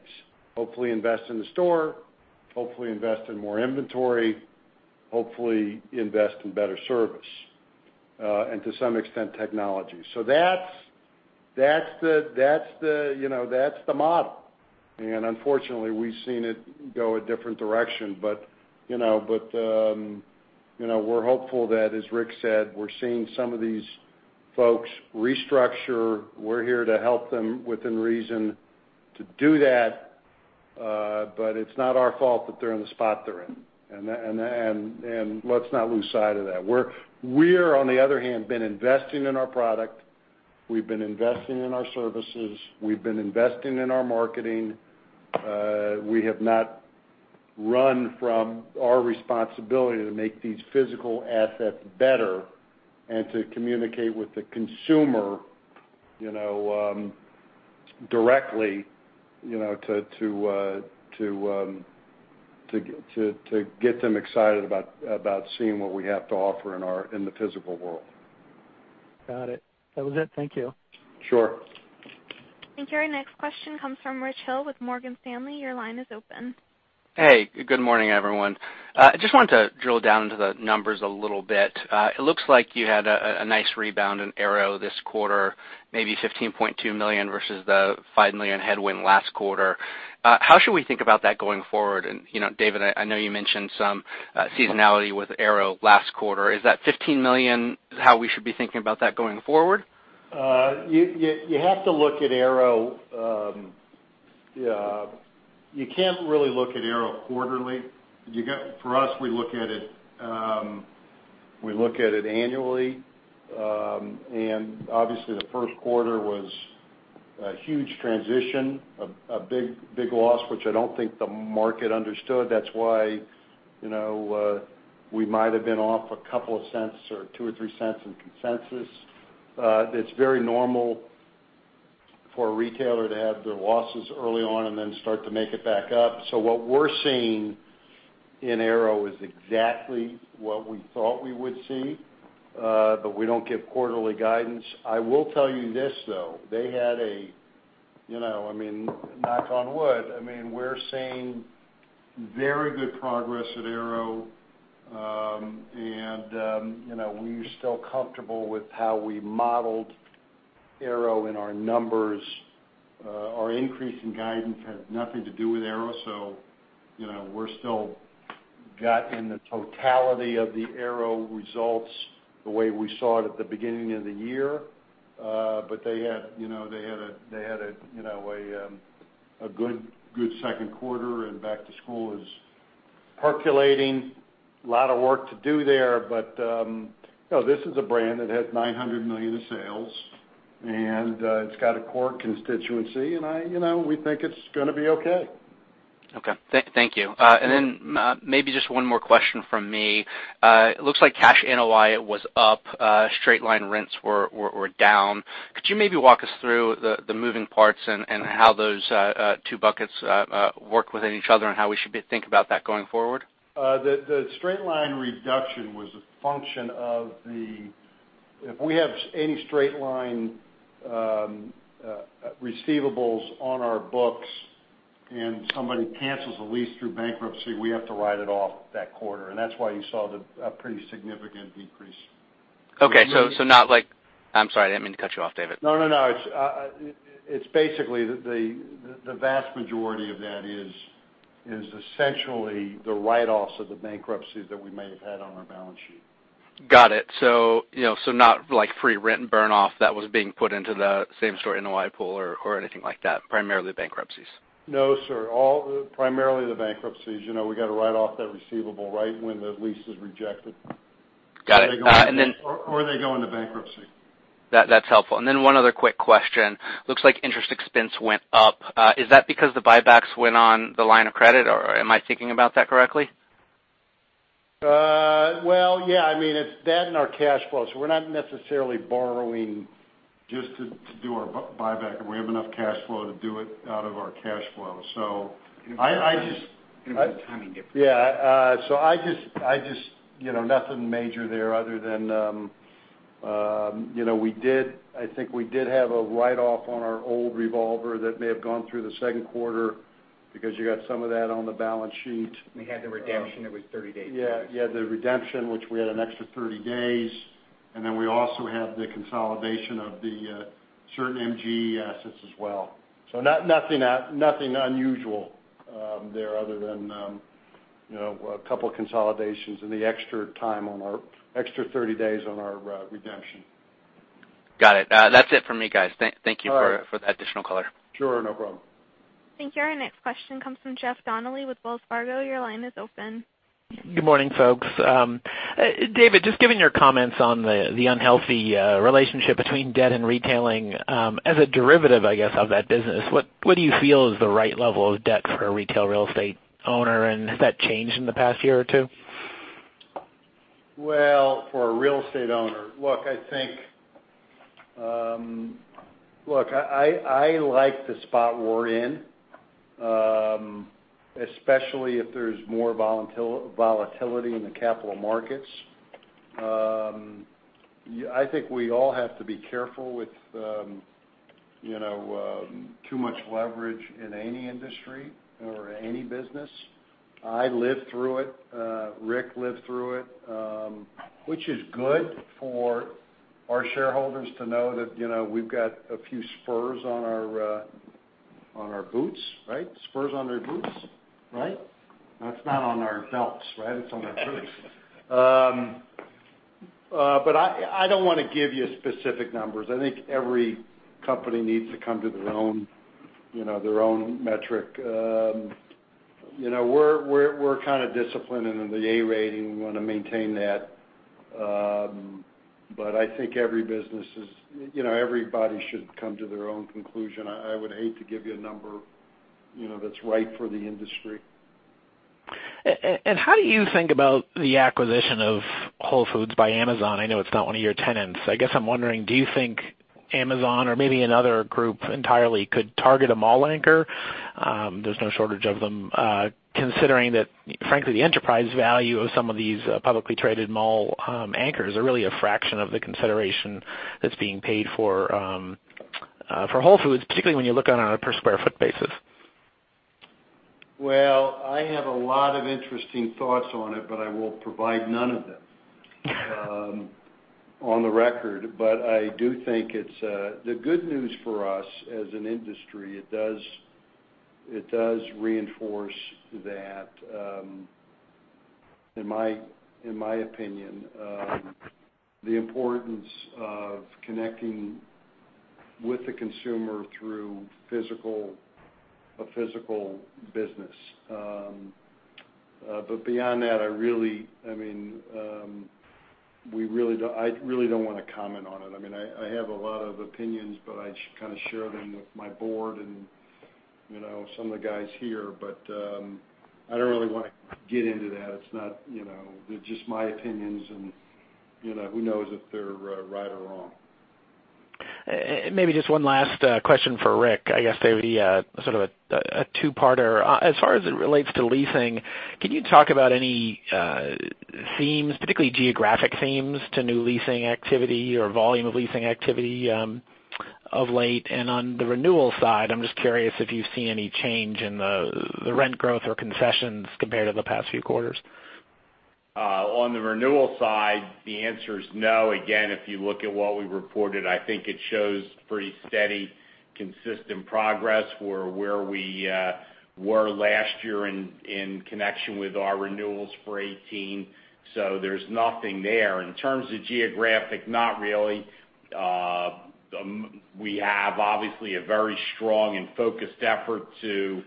Hopefully invest in the store, hopefully invest in more inventory, hopefully invest in better service. To some extent, technology. That's the model, and unfortunately, we've seen it go a different direction. We're hopeful that, as Rick said, we're seeing some of these folks restructure. We're here to help them within reason to do that. It's not our fault that they're in the spot they're in. Let's not lose sight of that. We're, on the other hand, been investing in our product. We've been investing in our services. We've been investing in our marketing. We have not run from our responsibility to make these physical assets better and to communicate with the consumer directly to get them excited about seeing what we have to offer in the physical world. Got it. That was it. Thank you. Sure. Thank you. Our next question comes from Richard Hill with Morgan Stanley. Your line is open. Hey, good morning, everyone. I just wanted to drill down into the numbers a little bit. It looks like you had a nice rebound in Aéropostale this quarter, maybe $15.2 million versus the $5 million headwind last quarter. How should we think about that going forward? David, I know you mentioned some seasonality with Aéropostale last quarter. Is that $15 million how we should be thinking about that going forward? You can't really look at Aéropostale quarterly. For us, we look at it annually. Obviously, the first quarter was a huge transition, a big loss, which I don't think the market understood. That's why we might have been off $0.02 or $0.02 or $0.03 in consensus. It's very normal for a retailer to have their losses early on and then start to make it back up. What we're seeing in Aéropostale is exactly what we thought we would see, but we don't give quarterly guidance. I will tell you this, though. I mean, knock on wood, we're seeing very good progress at Aéropostale. We're still comfortable with how we modeled Aéropostale in our numbers. Our increase in guidance had nothing to do with Aéropostale, we're still got in the totality of the Aéropostale results the way we saw it at the beginning of the year. They had a good second quarter, and back to school is percolating. A lot of work to do there, but this is a brand that has $900 million of sales, and it's got a core constituency, and we think it's going to be okay. Okay. Thank you. Sure. Maybe just one more question from me. It looks like cash NOI was up. Straight line rents were down. Could you maybe walk us through the moving parts and how those two buckets work within each other and how we should think about that going forward? If we have any straight line receivables on our books and somebody cancels a lease through bankruptcy, we have to write it off that quarter. That's why you saw a pretty significant decrease. Okay. I'm sorry, I didn't mean to cut you off, David. No, no. It's basically the vast majority of that is essentially the write-offs of the bankruptcies that we may have had on our balance sheet. Got it. Not like free rent and burn off that was being put into the same-store NOI pool or anything like that, primarily bankruptcies. No, sir. Primarily the bankruptcies. We got to write off that receivable right when the lease is rejected. Got it. They go into bankruptcy. That's helpful. One other quick question. Looks like interest expense went up. Is that because the buybacks went on the line of credit, or am I thinking about that correctly? Yeah. It's that and our cash flow. We're not necessarily borrowing just to do our buyback. We have enough cash flow to do it out of our cash flow. It was a timing difference. Nothing major there other than I think we did have a write-off on our old revolver that may have gone through the second quarter because you got some of that on the balance sheet. We had the redemption that was 30 days. The redemption, which we had an extra 30 days, and then we also had the consolidation of the certain MGE assets as well. Nothing unusual there other than a couple of consolidations and the extra 30 days on our redemption. Got it. That's it from me, guys. Thank you for that additional color. Sure. No problem. Thank you. Our next question comes from Jeff Donnelly with Wells Fargo. Your line is open. Good morning, folks. David, just given your comments on the unhealthy relationship between debt and retailing, as a derivative, I guess, of that business, what do you feel is the right level of debt for a retail real estate owner, and has that changed in the past year or two? Well, for a real estate owner, look, I like the spot we're in, especially if there's more volatility in the capital markets. I think we all have to be careful with too much leverage in any industry or any business. I lived through it. Rick lived through it, which is good for our shareholders to know that we've got a few spurs on our boots, right? Spurs on their boots, right? It's not on our belts, right? It's on our boots. I don't want to give you specific numbers. I think every company needs to come to their own metric. We're kind of disciplined in the A rating. We want to maintain that. I think everybody should come to their own conclusion. I would hate to give you a number that's right for the industry. How do you think about the acquisition of Whole Foods Market by Amazon? I know it's not one of your tenants. I guess I'm wondering, do you think Amazon or maybe another group entirely could target a mall anchor? There's no shortage of them, considering that, frankly, the enterprise value of some of these publicly traded mall anchors are really a fraction of the consideration that's being paid for Whole Foods Market, particularly when you look on a per square foot basis. I have a lot of interesting thoughts on it, I will provide none of them on the record. I do think the good news for us as an industry, it does reinforce that, in my opinion, the importance of connecting with the consumer through a physical business. Beyond that, I really don't want to comment on it. I have a lot of opinions, I just kind of share them with my board and some of the guys here, I don't really want to get into that. They're just my opinions, who knows if they're right or wrong. Maybe just one last question for Rick. I guess maybe sort of a two-parter. As far as it relates to leasing, can you talk about any themes, particularly geographic themes, to new leasing activity or volume of leasing activity of late? On the renewal side, I'm just curious if you see any change in the rent growth or concessions compared to the past few quarters. On the renewal side, the answer is no. Again, if you look at what we reported, I think it shows pretty steady, consistent progress for where we were last year in connection with our renewals for 2018. There's nothing there. In terms of geographic, not really. We have, obviously, a very strong and focused effort to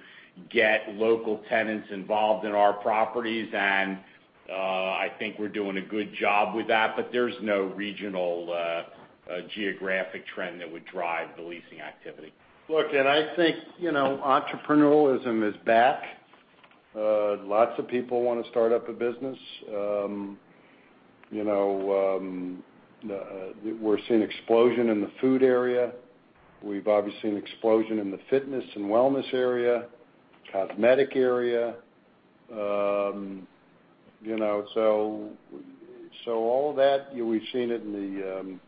get local tenants involved in our properties, I think we're doing a good job with that, there's no regional geographic trend that would drive the leasing activity. Look, I think entrepreneurialism is back. Lots of people want to start up a business. We're seeing explosion in the food area. We've obviously seen explosion in the fitness and wellness area, cosmetic area. All of that, we've seen it in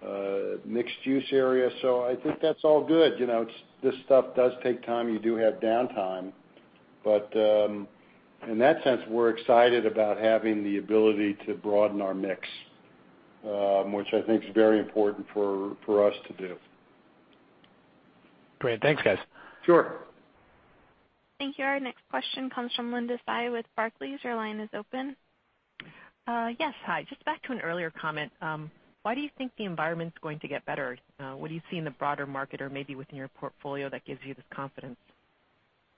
the mixed use area. I think that's all good. This stuff does take time. You do have downtime. In that sense, we're excited about having the ability to broaden our mix which I think is very important for us to do. Great. Thanks, guys. Sure. Thank you. Our next question comes from Linda Tsai with Barclays. Your line is open. Yes. Hi. Just back to an earlier comment. Why do you think the environment's going to get better? What do you see in the broader market or maybe within your portfolio that gives you this confidence?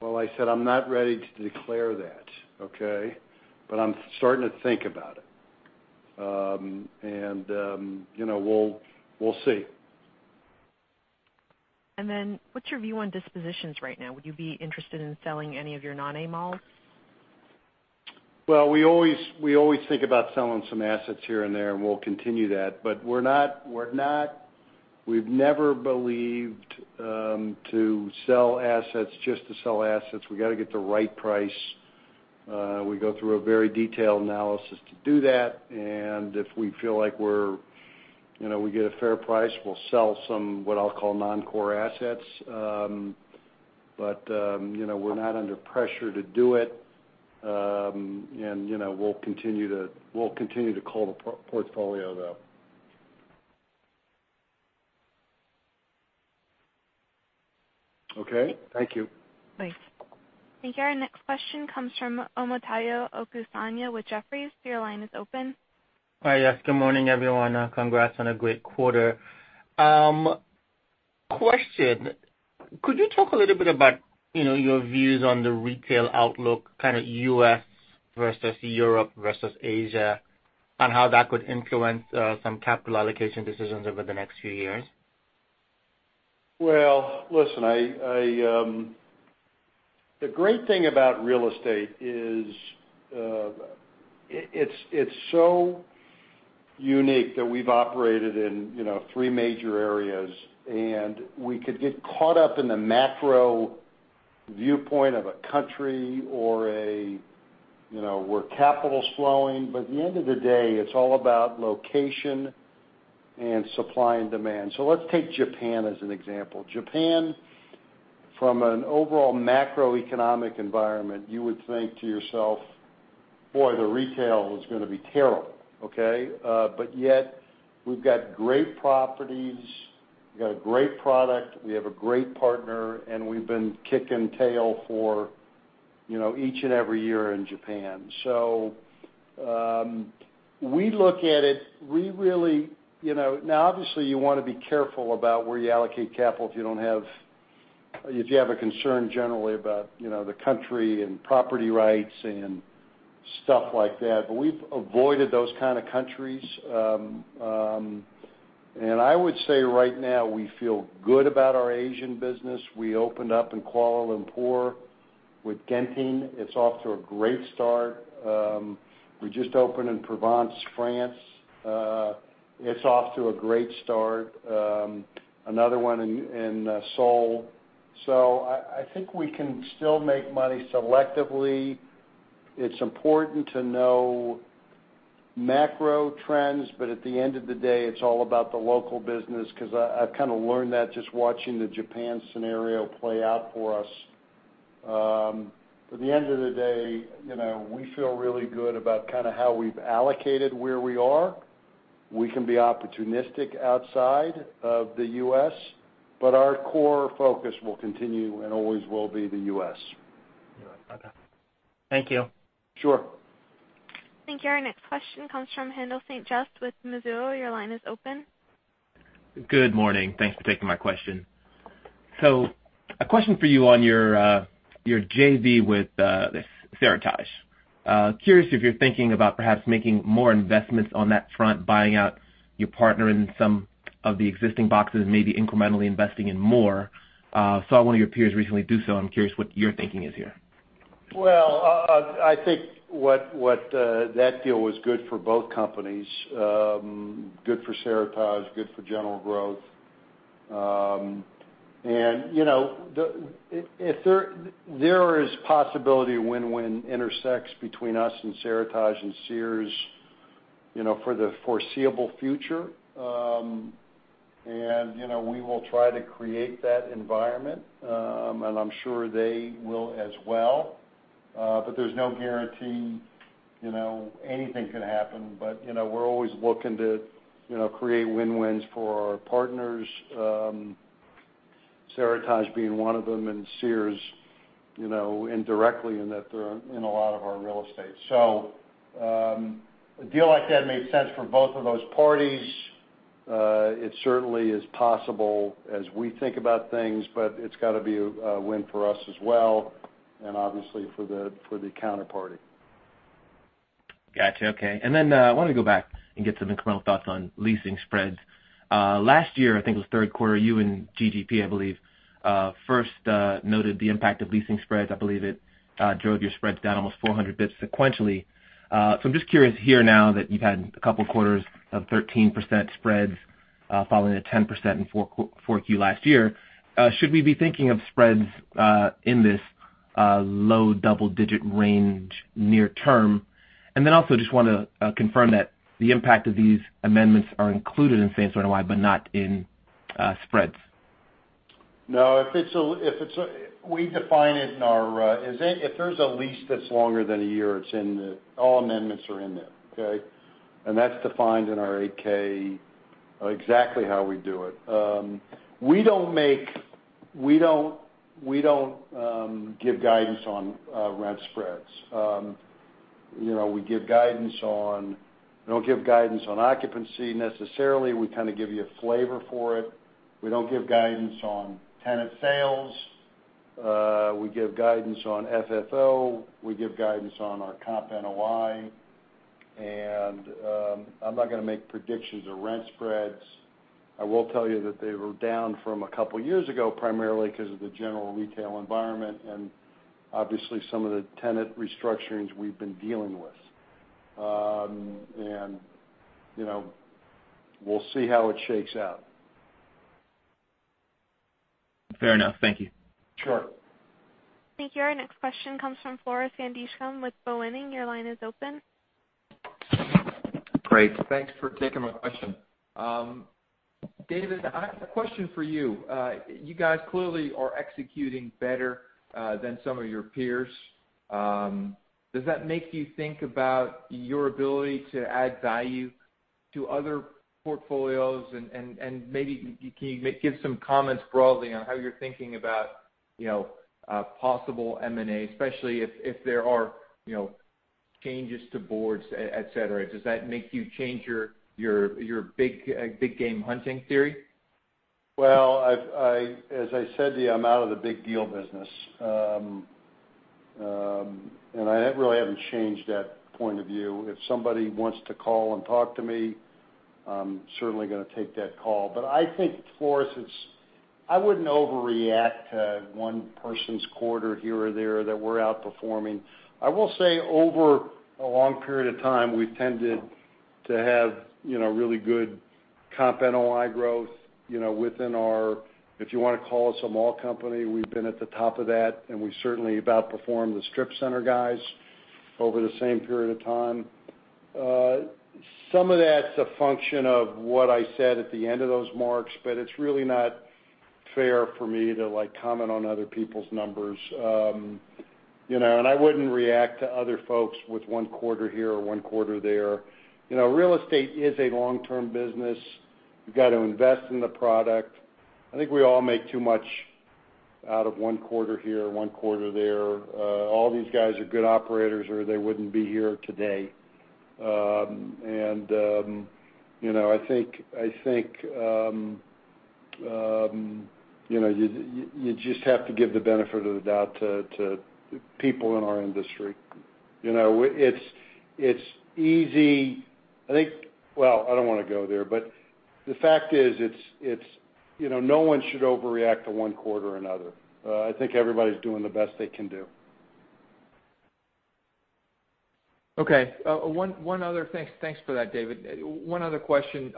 Well, I said I'm not ready to declare that. Okay? I'm starting to think about it. We'll see. What's your view on dispositions right now? Would you be interested in selling any of your non-A malls? Well, we always think about selling some assets here and there, and we'll continue that, but we've never believed to sell assets just to sell assets. We got to get the right price. We go through a very detailed analysis to do that, and if we feel like we get a fair price, we'll sell some, what I'll call non-core assets. We're not under pressure to do it. We'll continue to cull the portfolio, though. Okay? Thank you. Thanks. Thank you. Our next question comes from Omotayo Okusanya with Jefferies. Your line is open. Hi. Yes. Good morning, everyone. Congrats on a great quarter. Question, could you talk a little bit about your views on the retail outlook, kind of U.S. versus Europe versus Asia, on how that could influence some capital allocation decisions over the next few years? Well, listen, the great thing about real estate is it's so unique that we've operated in three major areas, we could get caught up in the macro viewpoint of a country or where capital's flowing. At the end of the day, it's all about location and supply and demand. Let's take Japan as an example. Japan, from an overall macroeconomic environment, you would think to yourself, "Boy, the retail is going to be terrible." Okay? Yet we've got great properties, we've got a great product, we have a great partner, and we've been kicking tail for each and every year in Japan. We look at it, now obviously you want to be careful about where you allocate capital if you have a concern generally about the country and property rights and stuff like that. We've avoided those kind of countries. I would say right now we feel good about our Asian business. We opened up in Kuala Lumpur with Genting. It's off to a great start. We just opened in Provence, France. It's off to a great start. Another one in Seoul. I think we can still make money selectively. It's important to know macro trends, at the end of the day, it's all about the local business because I've kind of learned that just watching the Japan scenario play out for us. At the end of the day, we feel really good about kind of how we've allocated where we are. We can be opportunistic outside of the U.S., our core focus will continue and always will be the U.S. Okay. Thank you. Sure. Thank you. Our next question comes from Haendel St. Juste with Mizuho. Your line is open. Good morning. Thanks for taking my question. A question for you on your JV with Seritage. Curious if you're thinking about perhaps making more investments on that front, buying out your partner in some of the existing boxes, maybe incrementally investing in more. Saw one of your peers recently do so, I'm curious what your thinking is here. I think that deal was good for both companies. Good for Seritage, good for General Growth. There is possibility win-win intersects between us and Seritage and Sears for the foreseeable future. We will try to create that environment, and I'm sure they will as well. There's no guarantee. Anything can happen, we're always looking to create win-wins for our partners, Seritage being one of them, and Sears indirectly in a lot of our real estate. A deal like that made sense for both of those parties. It certainly is possible as we think about things, it's got to be a win for us as well and obviously for the counterparty. Got you. Okay. I wanted to go back and get some incremental thoughts on leasing spreads. Last year, I think it was third quarter, you and GGP, I believe, first noted the impact of leasing spreads. I believe it drove your spreads down almost 400 basis points sequentially. I'm just curious here now that you've had a couple of quarters of 13% spreads following a 10% in 4Q last year, should we be thinking of spreads in this low double digit range near term? Also just want to confirm that the impact of these amendments are included in same store NOI, not in spreads. No, we define it in our if there's a lease that's longer than a year, all amendments are in there, okay? That's defined in our 8-K, exactly how we do it. We don't give guidance on rent spreads. We don't give guidance on occupancy, necessarily. We kind of give you a flavor for it. We don't give guidance on tenant sales. We give guidance on FFO. We give guidance on our Comp NOI. I'm not going to make predictions on rent spreads. I will tell you that they were down from a couple of years ago, primarily because of the general retail environment and obviously some of the tenant restructurings we've been dealing with. We'll see how it shakes out. Fair enough. Thank you. Sure. Thank you. Our next question comes from Floris van Dijkum with Boenning. Your line is open. Great. Thanks for taking my question. David, I have a question for you. You guys clearly are executing better than some of your peers. Does that make you think about your ability to add value to other portfolios? Maybe can you give some comments broadly on how you're thinking about possible M&A, especially if there are changes to boards, et cetera. Does that make you change your big game hunting theory? Well, as I said to you, I'm out of the big deal business. I really haven't changed that point of view. If somebody wants to call and talk to me, I'm certainly going to take that call. I think, Floris, I wouldn't overreact to one person's quarter here or there that we're outperforming. I will say over a long period of time, we've tended to have really good comp NOI growth within our, if you want to call us a mall company, we've been at the top of that, and we certainly have outperformed the strip center guys over the same period of time. Some of that's a function of what I said at the end of those marks, but it's really not fair for me to comment on other people's numbers. I wouldn't react to other folks with one quarter here or one quarter there. Real estate is a long-term business. You've got to invest in the product. I think we all make too much out of one quarter here or one quarter there. All these guys are good operators, or they wouldn't be here today. I think you just have to give the benefit of the doubt to people in our industry. It's easy, I think I don't want to go there, but the fact is, no one should overreact to one quarter or another. I think everybody's doing the best they can do. Okay. Thanks for that, David. One other question.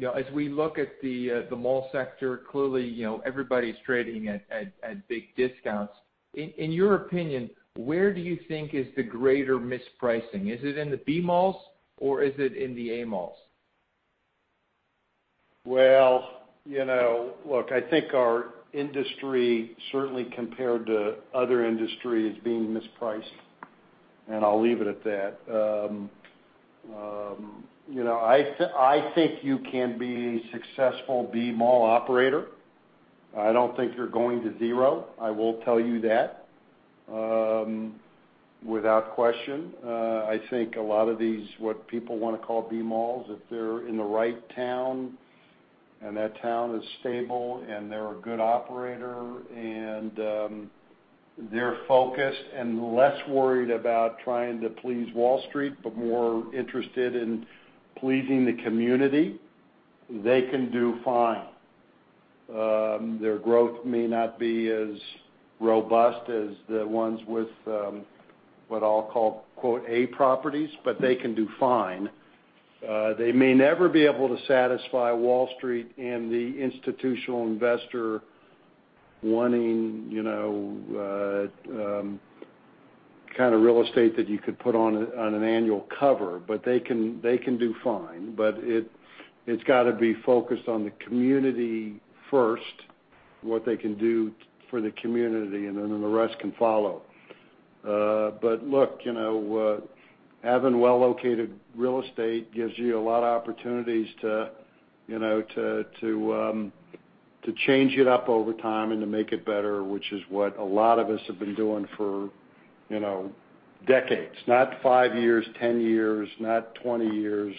As we look at the mall sector, clearly everybody's trading at big discounts. In your opinion, where do you think is the greater mispricing? Is it in the B malls or is it in the A malls? Look, I think our industry, certainly compared to other industry, is being mispriced, and I'll leave it at that. I think you can be a successful B mall operator. I don't think you're going to zero, I will tell you that, without question. I think a lot of these, what people want to call B malls, if they're in the right town, and that town is stable, and they're a good operator, and they're focused and less worried about trying to please Wall Street, but more interested in pleasing the community, they can do fine. Their growth may not be as robust as the ones with what I'll call, quote, "A properties," but they can do fine. They may never be able to satisfy Wall Street and the institutional investor wanting kind of real estate that you could put on an annual cover, but they can do fine. It's got to be focused on the community first, what they can do for the community, and then the rest can follow. Look, having well-located real estate gives you a lot of opportunities to change it up over time and to make it better, which is what a lot of us have been doing for decades. Not five years, 10 years, not 20 years,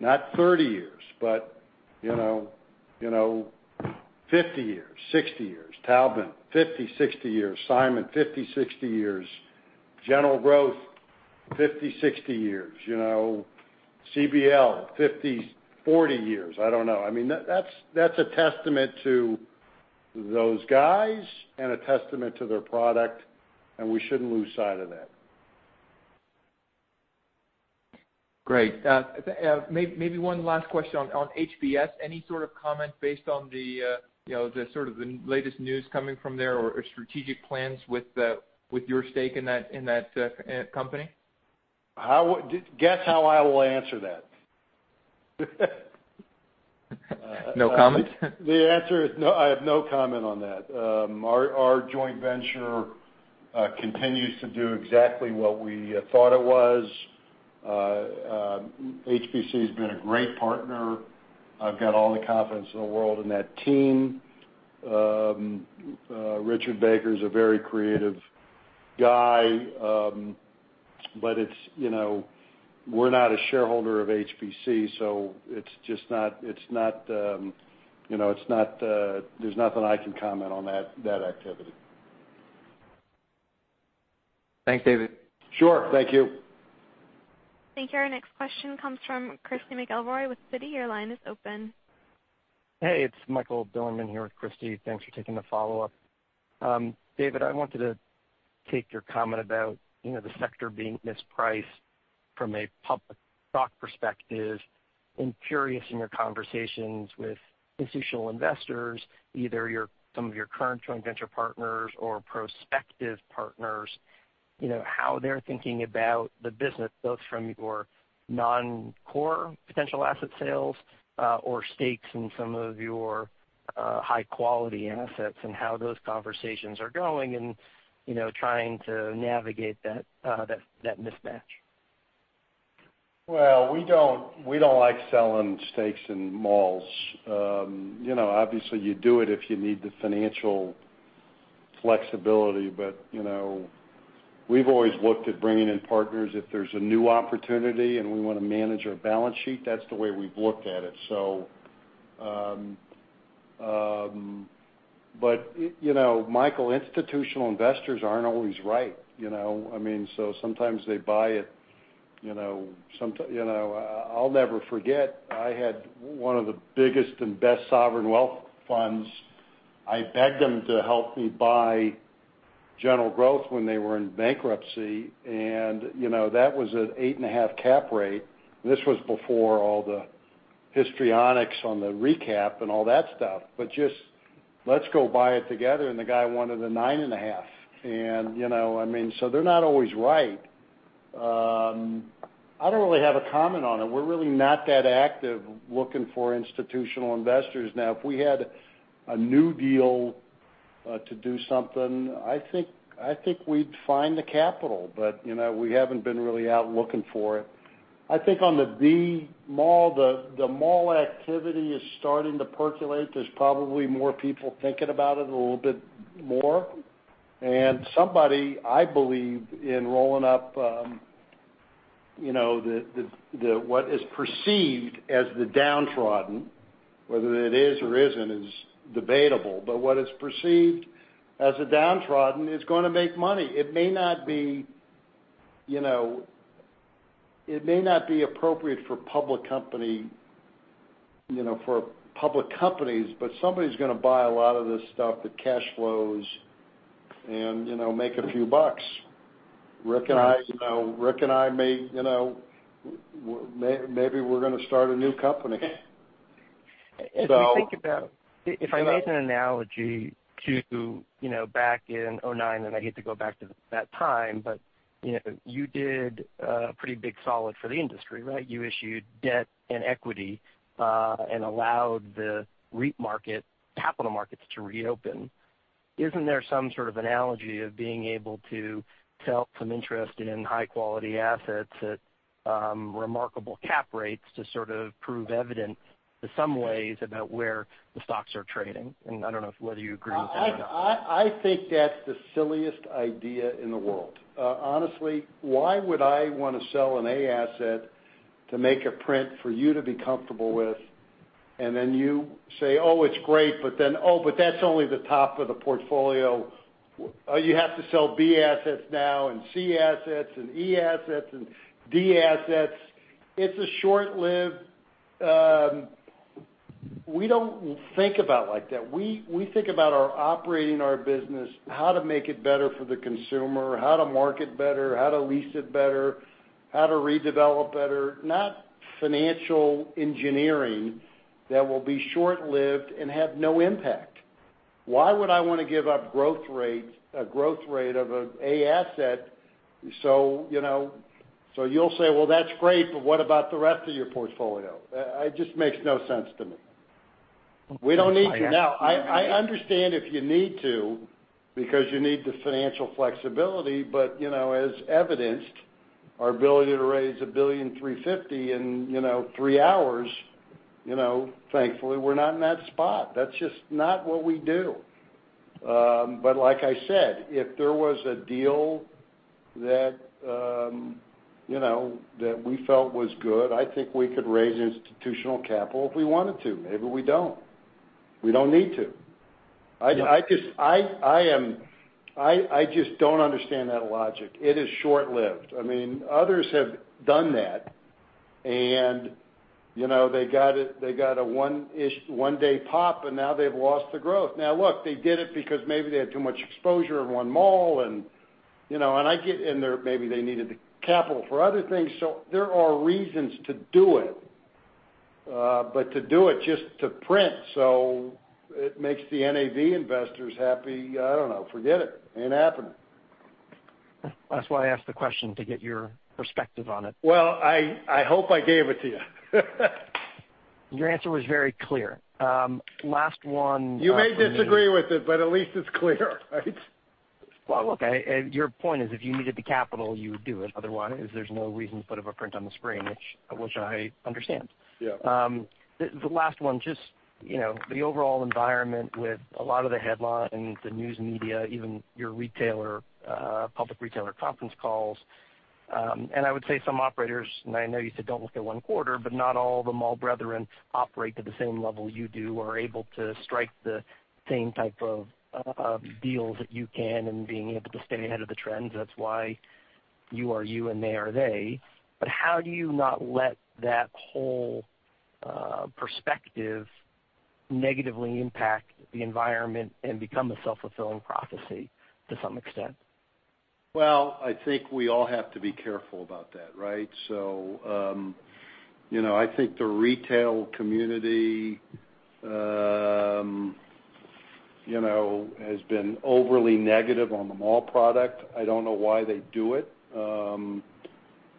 not 30 years, but 50 years, 60 years. Taubman, 50, 60 years. Simon, 50, 60 years. General Growth, 50, 60 years. CBL, 40 years. I don't know. That's a testament to those guys and a testament to their product, and we shouldn't lose sight of that. Great. Maybe one last question on HBC. Any sort of comment based on the sort of latest news coming from there or strategic plans with your stake in that company? Guess how I will answer that No comment? The answer is I have no comment on that. Our joint venture continues to do exactly what we thought it was. HBC has been a great partner. I've got all the confidence in the world in that team. Richard Baker is a very creative guy. We're not a shareholder of HBC, there's nothing I can comment on that activity. Thanks, David. Sure. Thank you. Thank you. Our next question comes from Christy McElroy with Citi. Your line is open. Hey, it's Michael Bilerman here with Christy McElroy. Thanks for taking the follow-up. David Simon, I wanted to take your comment about the sector being mispriced from a public stock perspective. I'm curious in your conversations with institutional investors, either some of your current joint venture partners or prospective partners, how they're thinking about the business, both from your non-core potential asset sales, or stakes in some of your high-quality assets, and how those conversations are going and trying to navigate that mismatch. Well, we don't like selling stakes in malls. Obviously, you do it if you need the financial flexibility, but we've always looked at bringing in partners if there's a new opportunity and we want to manage our balance sheet. That's the way we've looked at it. Michael Bilerman, institutional investors aren't always right. I'll never forget, I had one of the biggest and best sovereign wealth funds. I begged them to help me buy General Growth Properties when they were in bankruptcy, and that was an 8.5 cap rate. This was before all the histrionics on the recap and all that stuff. Just, "Let's go buy it together," and the guy wanted a 9.5. They're not always right. I don't really have a comment on it. We're really not that active looking for institutional investors. If we had a new deal to do something, I think we'd find the capital, but we haven't been really out looking for it. I think on the B mall, the mall activity is starting to percolate. There's probably more people thinking about it a little bit more. Somebody, I believe, in rolling up what is perceived as the downtrodden, whether it is or isn't is debatable, but what is perceived as a downtrodden is going to make money. It may not be appropriate for public companies, but somebody's going to buy a lot of this stuff that cash flows and make a few bucks. Rick Sokolov and I, maybe we're going to start a new company. If I made an analogy to back in 2009, I hate to go back to that time, but you did a pretty big solid for the industry, right? You issued debt and equity, allowed the REIT market, capital markets to reopen. Isn't there some sort of analogy of being able to sell some interest in high-quality assets at remarkable cap rates to sort of prove evident in some ways about where the stocks are trading? I don't know whether you agree with that or not. I think that's the silliest idea in the world. Honestly, why would I want to sell an A asset to make a print for you to be comfortable with, and then you say, "Oh, it's great," but then, "Oh, but that's only the top of the portfolio." You have to sell B assets now and C assets and E assets and D assets. It's short-lived. We don't think about like that. We think about our operating our business, how to make it better for the consumer, how to market better, how to lease it better, how to redevelop better, not financial engineering that will be short-lived and have no impact. Why would I want to give up a growth rate of an A asset so you'll say, "Well, that's great, but what about the rest of your portfolio?" It just makes no sense to me. We don't need to. I understand if you need to because you need the financial flexibility. As evidenced, our ability to raise $1.35 billion in three hours, thankfully we're not in that spot. That's just not what we do. Like I said, if there was a deal that we felt was good, I think we could raise institutional capital if we wanted to. Maybe we don't. We don't need to. I just don't understand that logic. It is short-lived. Others have done that, and they got a one-day pop, and now they've lost the growth. They did it because maybe they had too much exposure in one mall, and maybe they needed the capital for other things. There are reasons to do it. To do it just to print so it makes the NAV investors happy, I don't know. Forget it. Ain't happening. That's why I asked the question, to get your perspective on it. I hope I gave it to you. Your answer was very clear. Last one for me. You may disagree with it, at least it's clear, right? Well, look, your point is if you needed the capital, you would do it. Otherwise, there's no reason to put a print on the screen, which I understand. Yeah. The last one, just the overall environment with a lot of the headlines, the news media, even your public retailer conference calls. I would say some operators, and I know you said don't look at one quarter, but not all the mall brethren operate at the same level you do, or are able to strike the same type of deals that you can and being able to stay ahead of the trends. That's why you are you and they are they. How do you not let that whole perspective negatively impact the environment and become a self-fulfilling prophecy to some extent? I think we all have to be careful about that, right? I think the retail community has been overly negative on the mall product. I don't know why they do it.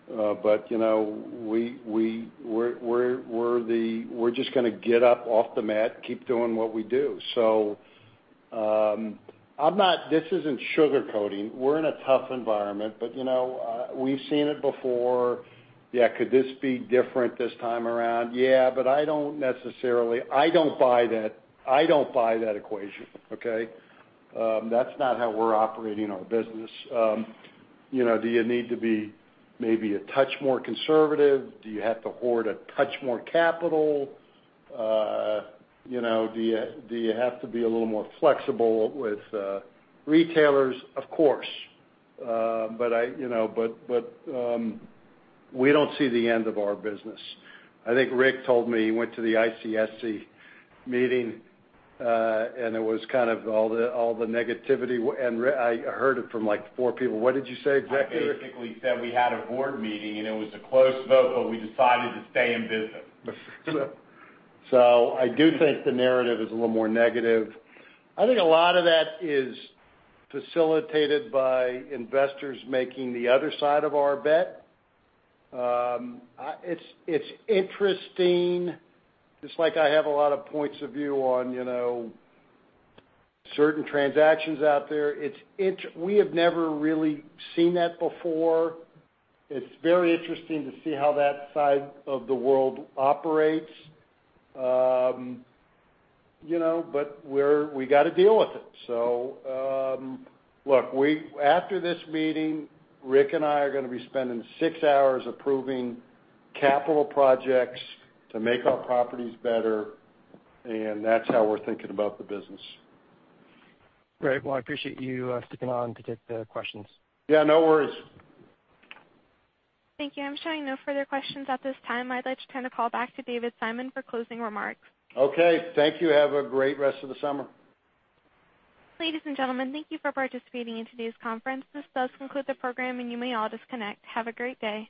We're just going to get up off the mat, keep doing what we do. This isn't sugarcoating. We're in a tough environment, but we've seen it before. Yeah, could this be different this time around? Yeah, I don't necessarily buy that equation, okay? That's not how we're operating our business. Do you need to be maybe a touch more conservative? Do you have to hoard a touch more capital? Do you have to be a little more flexible with retailers? Of course. We don't see the end of our business. I think Rick told me he went to the ICSC meeting, it was kind of all the negativity, I heard it from like four people. What did you say exactly, Rick? I basically said we had a board meeting, it was a close vote, we decided to stay in business. I do think the narrative is a little more negative. I think a lot of that is facilitated by investors making the other side of our bet. It's interesting, just like I have a lot of points of view on certain transactions out there. We have never really seen that before. It's very interesting to see how that side of the world operates. We got to deal with it. Look, after this meeting, Rick and I are going to be spending six hours approving capital projects to make our properties better, that's how we're thinking about the business. Great. Well, I appreciate you sticking on to take the questions. Yeah, no worries. Thank you. I'm showing no further questions at this time. I'd like to turn the call back to David Simon for closing remarks. Okay. Thank you. Have a great rest of the summer. Ladies and gentlemen, thank you for participating in today's conference. This does conclude the program, and you may all disconnect. Have a great day.